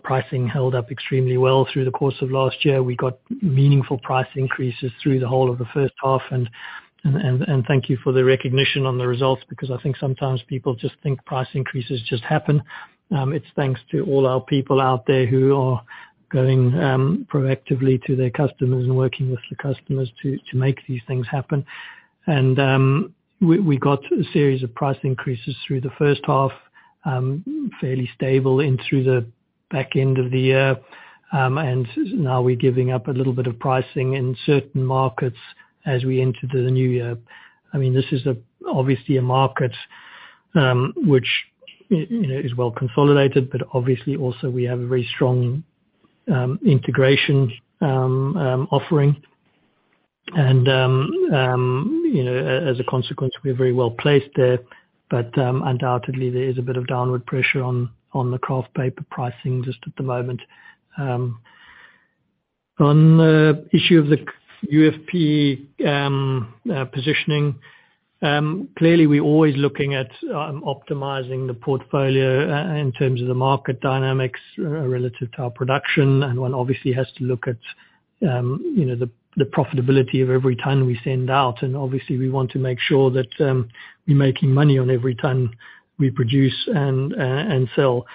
pricing held up extremely well through the course of last year. We got meaningful price increases through the whole of the H1. Thank you for the recognition on the results, because I think sometimes people just think price increases just happen. It's thanks to all our people out there who are going proactively to their customers and working with the customers to make these things happen. We got a series of price increases through the H1, fairly stable in through the back end of the year, and now we're giving up a little bit of pricing in certain markets as we enter the new year. I mean, this is obviously a market, which, you know, is well consolidated, but obviously also we have a very strong integration offering. You know, as a consequence, we're very well placed there. Undoubtedly there is a bit of downward pressure on the Kraft Paper pricing just at the moment. On the issue of the UFP positioning, clearly, we're always looking at optimizing the portfolio in terms of the market dynamics relative to our production. One obviously has to look at, you know, the profitability of every ton we send out. Obviously we want to make sure that we're making money on every ton we produce and sell.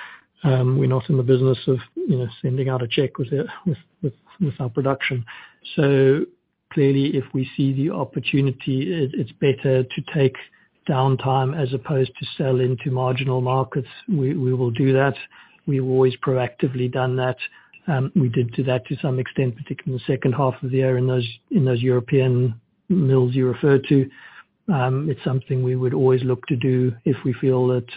We're not in the business of, you know, sending out a check with our production. Clearly if we see the opportunity, it's better to take downtime as opposed to sell into marginal markets. We will do that. We've always proactively done that. We did do that to some extent, particularly in the H2 of the year in those European mills you referred to. It's something we would always look to do if we feel that,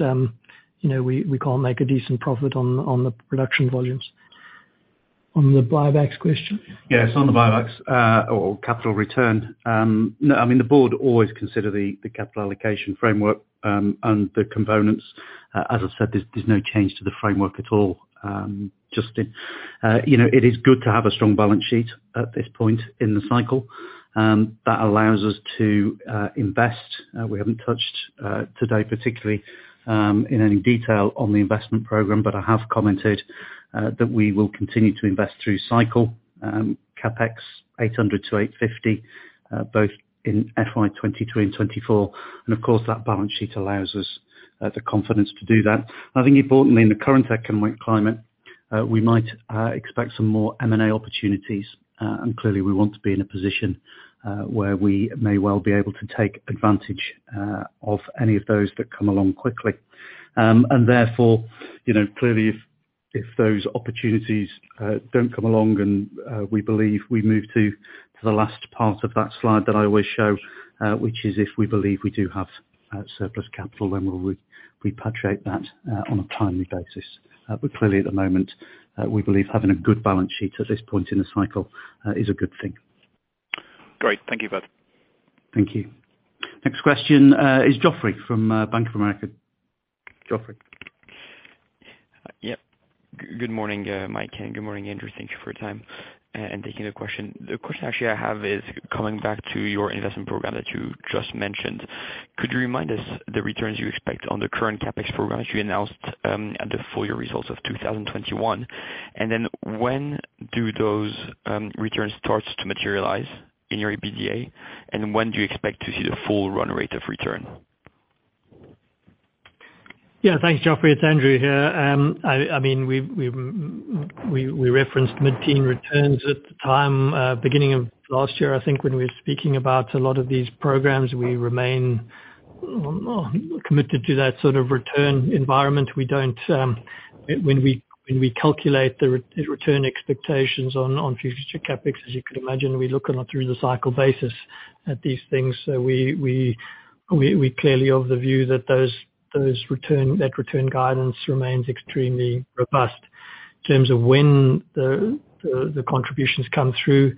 you know, we can't make a decent profit on the production volumes. On the buybacks question? Yes, on the buybacks, or capital return. No, I mean the board always consider the capital allocation framework and the components. As I said, there's no change to the framework at all, Justin. You know, it is good to have a strong balance sheet at this point in the cycle that allows us to invest. We haven't touched today, particularly, in any detail on the investment program, I have commented that we will continue to invest through cycle, CapEx 800 million-850 million, both in FY 2023 and 2024. Of course, that balance sheet allows us the confidence to do that. I think importantly in the current economic climate, we might expect some more M&A opportunities, and clearly we want to be in a position where we may well be able to take advantage of any of those that come along quickly. Therefore, you know, clearly if those opportunities don't come along and we believe we move to the last part of that slide that I always show, which is if we believe we do have surplus capital, then we'll re-repatriate that on a timely basis. Clearly at the moment, we believe having a good balance sheet at this point in the cycle, is a good thing. Great. Thank you, Bud. Thank you. Next question, is Joffrey from, Bank of America. Geoffrey. Yeah. Good morning, Mike, and good morning, Andrew. Thank you for your time and taking the question. The question actually I have is coming back to your investment program that you just mentioned. Could you remind us the returns you expect on the current CapEx program that you announced at the full year results of 2021? When do those returns starts to materialize in your EBITDA, and when do you expect to see the full run rate of return? Thanks, Geoffrey. It's Andrew here. I mean, we referenced mid-teen returns at the time, beginning of last year, I think, when we were speaking about a lot of these programs. We remain committed to that sort of return environment. We don't. When we calculate the return expectations on future CapEx, as you can imagine, we look on a through the cycle basis at these things. We clearly are of the view that those return that return guidance remains extremely robust. In terms of when the contributions come through,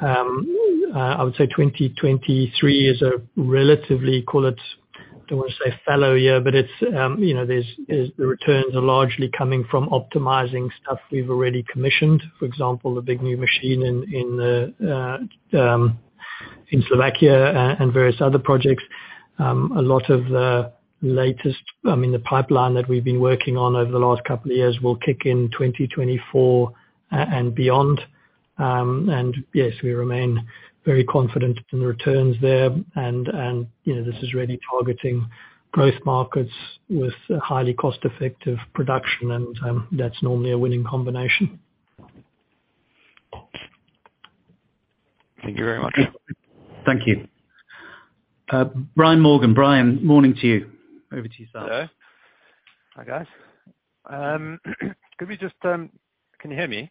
I would say 2023 is a relatively, call it, don't wanna say fallow year, but it's, you know, the returns are largely coming from optimizing stuff we've already commissioned. For example, the big new machine in the Slovakia and various other projects. A lot of the latest, I mean, the pipeline that we've been working on over the last couple of years will kick in 2024 and beyond. Yes, we remain very confident in the returns there and, you know, this is really targeting growth markets with highly cost-effective production, and that's normally a winning combination. Thank you very much. Thank you. Brian Morgan. Brian, morning to you. Over to you, sir. Hello. Hi, guys. Can you hear me?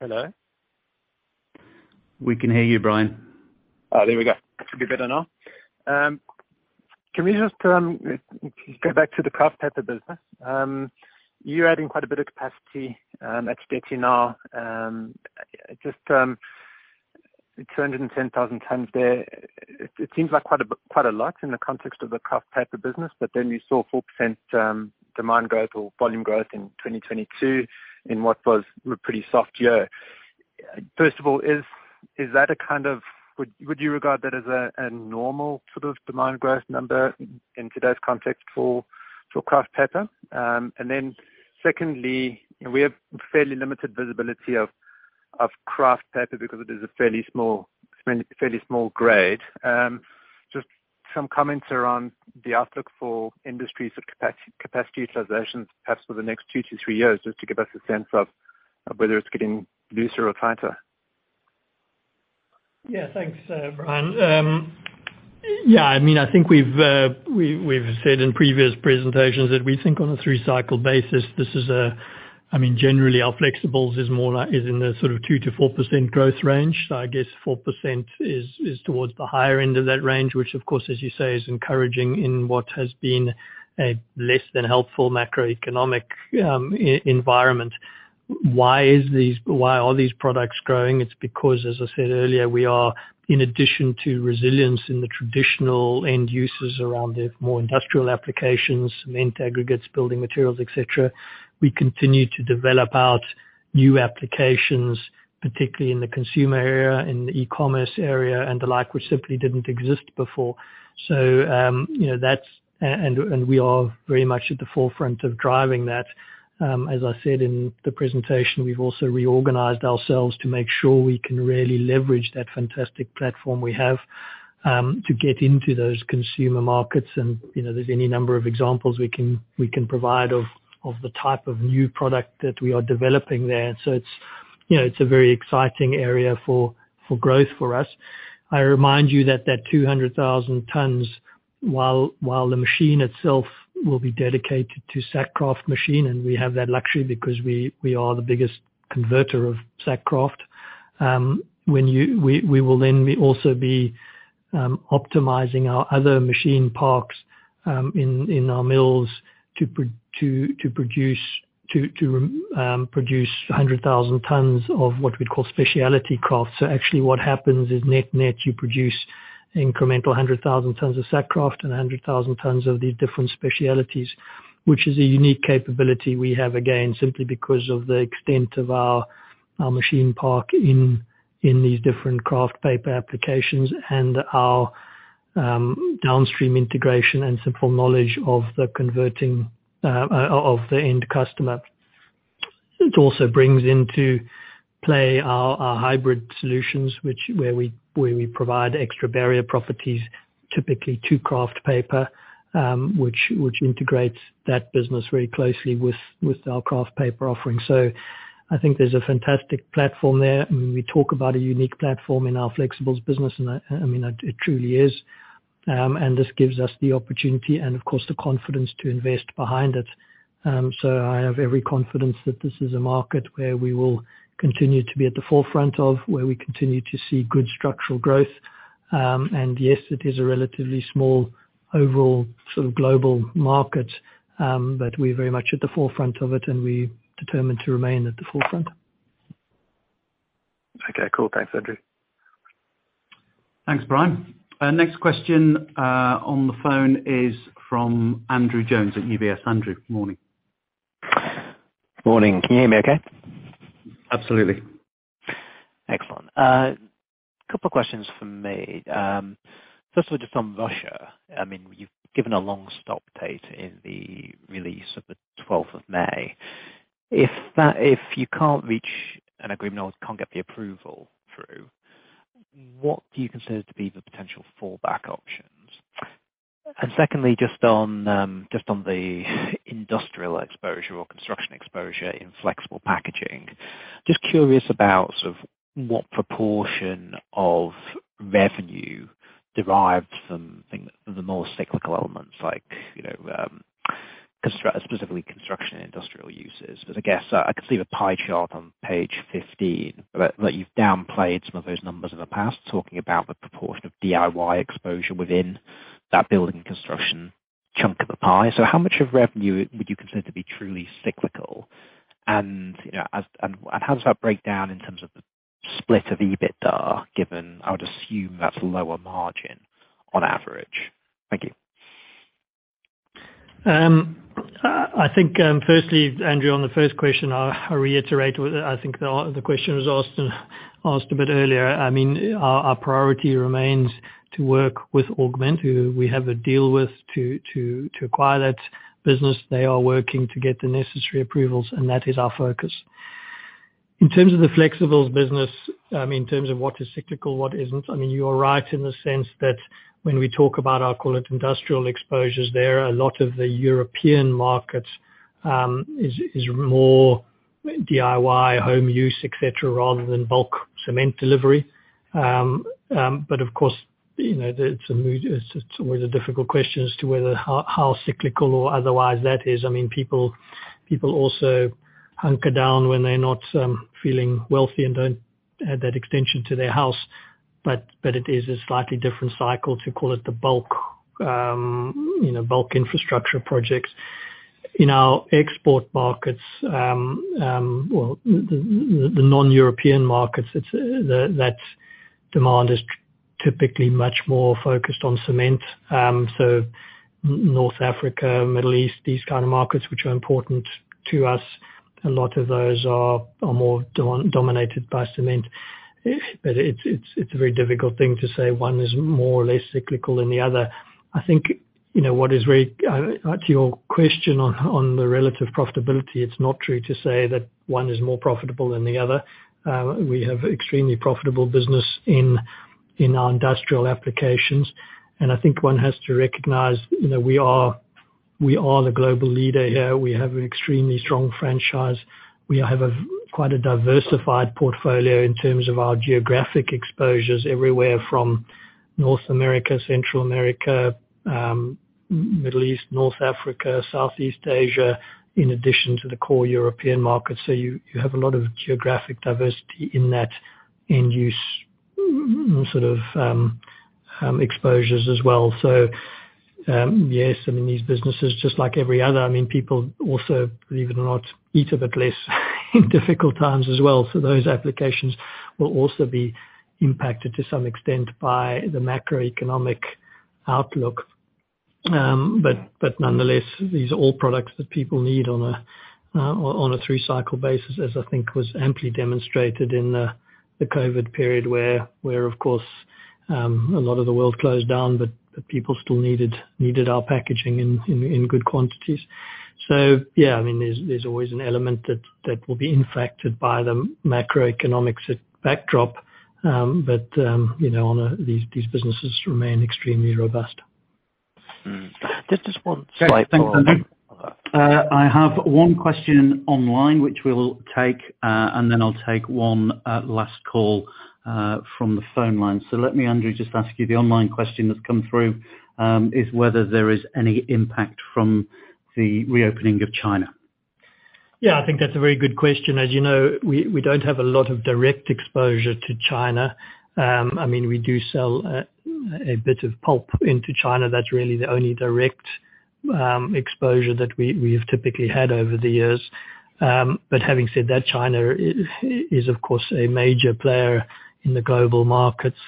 Hello? We can hear you, Brian. Oh, there we go. That should be better now. Can we just go back to the Kraft Paper business? You're adding quite a bit of capacity at Duino now. Just 210,000 tons there. It seems like quite a, quite a lot in the context of the Kraft Paper business. You saw 4% demand growth or volume growth in 2022 in what was a pretty soft year. First of all, is that a normal sort of demand growth number in today's context for Kraft Paper? Secondly, we have fairly limited visibility of Kraft Paper because it is a fairly small grade. Just some comments around the outlook for industries with capacity utilizations perhaps for the next 2 to 3 years, just to give us a sense of whether it's getting looser or tighter. Yeah. Thanks, Brian. Yeah, I mean, I think we've said in previous presentations that we think on a three-cycle basis. I mean, generally our flexibles is in the sort of 2%-4% growth range. I guess 4% is towards the higher end of that range, which of course, as you say, is encouraging in what has been a less than helpful macroeconomic e-environment. Why are these products growing? It's because, as I said earlier, we are in addition to resilience in the traditional end users around the more industrial applications, cement aggregates, building materials, et cetera, we continue to develop out new applications, particularly in the consumer area, in the e-commerce area and the like, which simply didn't exist before. You know. We are very much at the forefront of driving that. As I said in the presentation, we've also reorganized ourselves to make sure we can really leverage that fantastic platform we have to get into those consumer markets. You know, there's any number of examples we can, we can provide of the type of new product that we are developing there. It's, you know, it's a very exciting area for growth for us. I remind you that 200,000 tons, while the machine itself will be dedicated to Sack Kraft machine, and we have that luxury because we are the biggest converter of Sack Kraft. We will then also be optimizing our other machine parks in our mills to produce 100,000 tons of what we'd call Speciality Kraft. Actually what happens is net-net, you produce incremental 100,000 tons of Sack Kraft and 100,000 tons of these different specialities, which is a unique capability we have, again, simply because of the extent of our machine park in these different Kraft Paper applications and our downstream integration and simple knowledge of the converting of the end customer. It also brings into play our hybrid solutions, where we provide extra barrier properties, typically to Kraft Paper, which integrates that business very closely with our Kraft Paper offering. I think there's a fantastic platform there, and we talk about a unique platform in our flexibles business. I mean, it truly is. This gives us the opportunity and of course the confidence to invest behind it. I have every confidence that this is a market where we will continue to be at the forefront of, where we continue to see good structural growth. Yes, it is a relatively small overall sort of global market, but we're very much at the forefront of it, and we're determined to remain at the forefront. Okay. Cool. Thanks, Andrew. Thanks, Brian. next question on the phone is from Andrew Jones at UBS. Andrew, good morning. Morning. Can you hear me okay? Absolutely. Excellent. Couple of questions from me. First one just on Russia. I mean, you've given a long stop date in the release of the twelfth of May. If that, if you can't reach an agreement or can't get the approval through, what do you consider to be the potential fallback options? Secondly, just on, just on the industrial exposure or construction exposure in flexible packaging, just curious about sort of what proportion of revenue derives from the more cyclical elements like, you know, specifically construction industrial uses. I guess I can see the pie chart on page 15, but you've downplayed some of those numbers in the past, talking about the proportion of DIY exposure within that building construction chunk of the pie. How much of revenue would you consider to be truly cyclical? You know, and how does that break down in terms of the split of EBITDA, given I would assume that's lower margin on average. Thank you. I think firstly, Andrew, on the first question, I reiterate what I think the question was asked and asked a bit earlier. I mean, our priority remains to work with Augment, who we have a deal with to acquire that business. They are working to get the necessary approvals, that is our focus. In terms of the flexibles business, in terms of what is cyclical, what isn't, I mean, you are right in the sense that when we talk about, I'll call it industrial exposures, there are a lot of the European markets, is more DIY, home use, et cetera, rather than bulk cement delivery. Of course, you know, it's a really, it's always a difficult question as to whether how cyclical or otherwise that is. I mean, people also hunker down when they're not feeling wealthy and don't add that extension to their house. It is a slightly different cycle to call it the bulk, you know, bulk infrastructure projects. In our export markets, well, the non-European markets, it's that demand is typically much more focused on cement. North Africa, Middle East, these kind of markets which are important to us, a lot of those are more dominated by cement. It's a very difficult thing to say one is more or less cyclical than the other. I think, you know, to your question on the relative profitability, it's not true to say that one is more profitable than the other. We have extremely profitable business in our industrial applications, and I think one has to recognize, you know, we are the global leader here. We have an extremely strong franchise. We have a quite a diversified portfolio in terms of our geographic exposures everywhere from North America, Central America, Middle East, North Africa, Southeast Asia, in addition to the core European markets. You have a lot of geographic diversity in that end use, sort of exposures as well. Yes, I mean, these businesses, just like every other, I mean, people also, believe it or not, eat a bit less in difficult times as well. Those applications will also be impacted to some extent by the macroeconomic outlook. Nonetheless, these are all products that people need on a three-cycle basis, as I think was amply demonstrated in the COVID period where, of course, a lot of the world closed down, but people still needed our packaging in good quantities. Yeah, I mean, there's always an element that will be impacted by the macroeconomics backdrop. You know, these businesses remain extremely robust. Just one slight follow-up. I have one question online, which we'll take, and then I'll take one last call from the phone line. Let me, Andrew, just ask you the online question that's come through, is whether there is any impact from the reopening of China. Yeah, I think that's a very good question. As you know, we don't have a lot of direct exposure to China. I mean, we do sell a bit of pulp into China. That's really the only direct exposure that we've typically had over the years. Having said that, China is of course a major player in the global markets,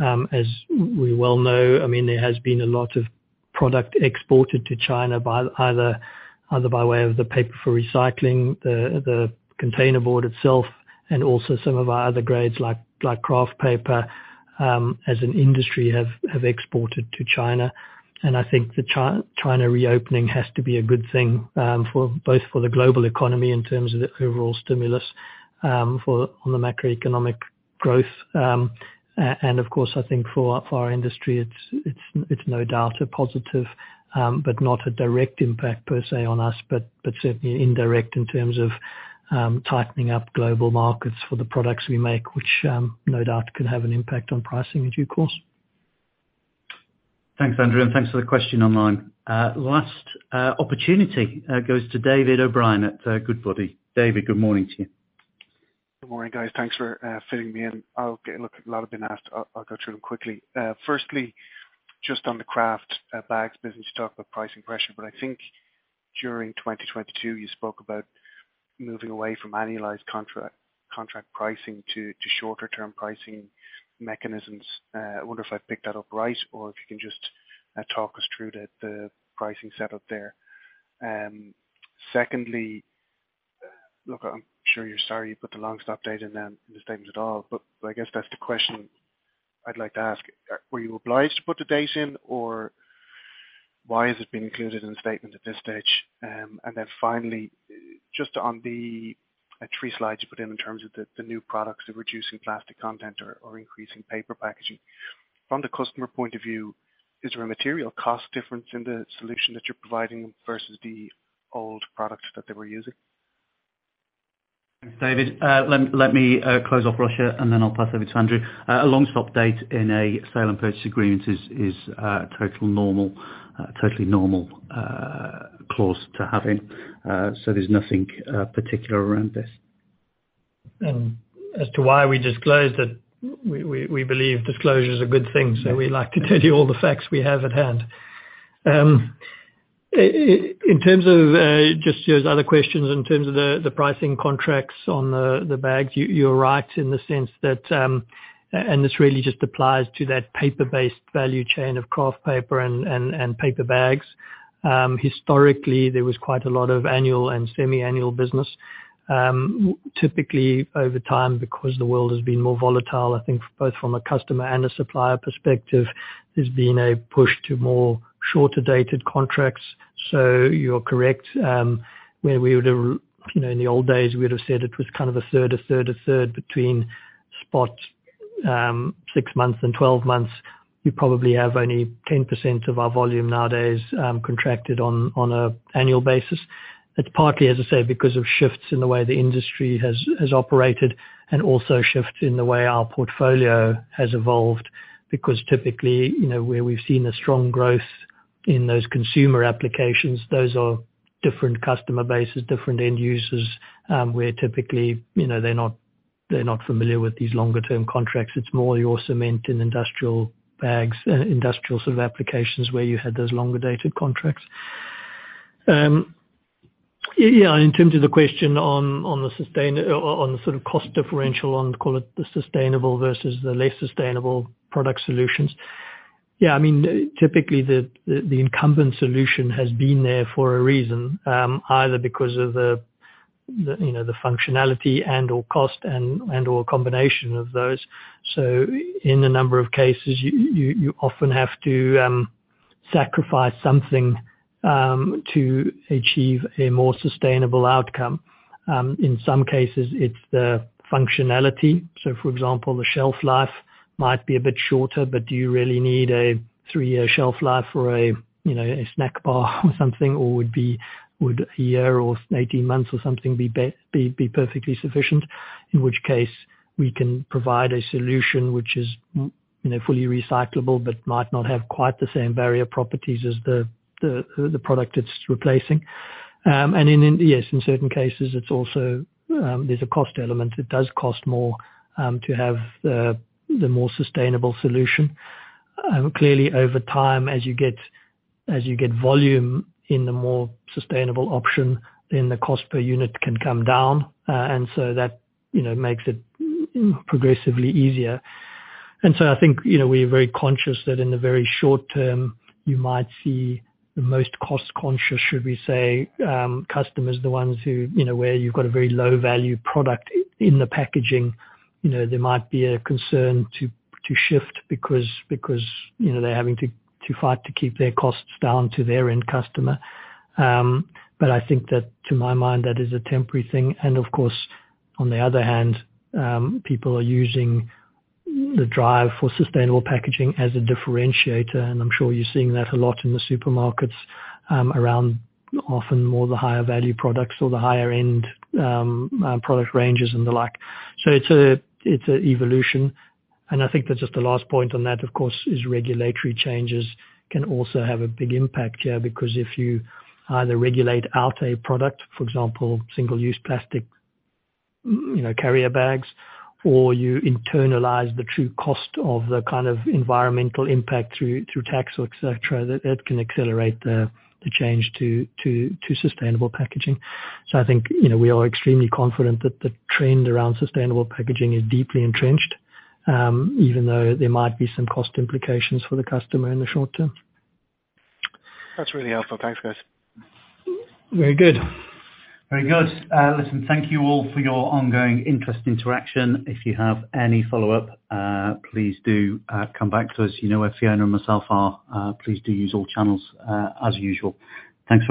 as we well know. I mean, there has been a lot of product exported to China by either by way of the paper for recycling, the containerboard itself, and also some of our other grades like Kraft Paper, as an industry have exported to China. I think the China reopening has to be a good thing for both for the global economy in terms of the overall stimulus for on the macroeconomic growth. Of course, I think for our industry, it's no doubt a positive, but not a direct impact per se on us, but certainly indirect in terms of tightening up global markets for the products we make, which no doubt could have an impact on pricing in due course. Thanks, Andrew, and thanks for the question online. Last opportunity goes to David O'Brien at Goodbody. David, good morning to you. Good morning, guys. Thanks for fitting me in. Look, a lot have been asked. I'll go through them quickly. Firstly, just on the Kraft bags business. You talked about pricing pressure, I think during 2022 you spoke about moving away from annualized contract pricing to shorter-term pricing mechanisms. I wonder if I picked that up right or if you can just talk us through the pricing set up there. Secondly, look, I'm sure you're sorry you put the long-stop date in the statements at all, I guess that's the question I'd like to ask. Were you obliged to put the date in or why has it been included in the statement at this stage? Finally, just on the three slides you put in terms of the new products, the reducing plastic content increasing paper packaging, from the customer point of view, is there a material cost difference in the solution that you're providing versus the old product that they were using? Thanks, David. Let me close off Russia and then I'll pass over to Andrew. A long-stop date in a sale and purchase agreement is totally normal clause to have in, so there's nothing particular around this. As to why we disclosed it, we believe disclosure is a good thing. We like to tell you all the facts we have at hand. In terms of just your other questions in terms of the pricing contracts on the bags, you're right in the sense that and this really just applies to that paper-based value chain of Kraft Paper and paper bags. Historically, there was quite a lot of annual and semi-annual business. Typically over time, because the world has been more volatile, I think both from a customer and a supplier perspective, there's been a push to more shorter dated contracts. You're correct, where we would've, you know, in the old days we would've said it was kind of a third, a third, a third between spot, 6 months and 12 months. We probably have only 10% of our volume nowadays contracted on an annual basis. It's partly, as I say, because of shifts in the way the industry has operated and also shifts in the way our portfolio has evolved. Typically, you know, where we've seen a strong growth in those consumer applications, those are different customer bases, different end users, where typically, you know, they're not familiar with these longer term contracts. It's more your cement and industrial bags, industrial sort of applications where you had those longer dated contracts. In terms of the question on the sustainable versus the less sustainable product solutions. I mean, typically the incumbent solution has been there for a reason, either because of the, you know, the functionality and/or cost and/or a combination of those. In a number of cases, you often have to sacrifice something to achieve a more sustainable outcome. In some cases it's the functionality. For example, the shelf life might be a bit shorter, but do you really need a 3-year shelf life for a, you know, a snack bar or something? Would a year or 18 months or something be perfectly sufficient, in which case we can provide a solution which is, you know, fully recyclable but might not have quite the same barrier properties as the product it's replacing. In, yes, in certain cases, it's also, there's a cost element. It does cost more to have the more sustainable solution. Clearly over time, as you get volume in the more sustainable option, then the cost per unit can come down. That, you know, makes it progressively easier. I think, you know, we're very conscious that in the very short term, you might see the most cost conscious, should we say, customers, the ones who, you know, where you've got a very low value product in the packaging. You know, there might be a concern to shift because, you know, they're having to fight to keep their costs down to their end customer. I think that to my mind, that is a temporary thing. Of course, on the other hand, people are using the drive for sustainable packaging as a differentiator. I'm sure you're seeing that a lot in the supermarkets, around often more the higher value products or the higher end product ranges and the like. It's a evolution. I think that just the last point on that, of course, is regulatory changes can also have a big impact here. If you either regulate out a product, for example, single-use plastic, you know, carrier bags, or you internalize the true cost of the kind of environmental impact through tax or et cetera, that can accelerate the change to sustainable packaging. I think, you know, we are extremely confident that the trend around sustainable packaging is deeply entrenched, even though there might be some cost implications for the customer in the short term. That's really helpful. Thanks, guys. Very good. Very good. Listen, thank you all for your ongoing interest interaction. If you have any follow-up, please do come back to us. You know where Fiona and myself are. Please do use all channels, as usual. Thanks.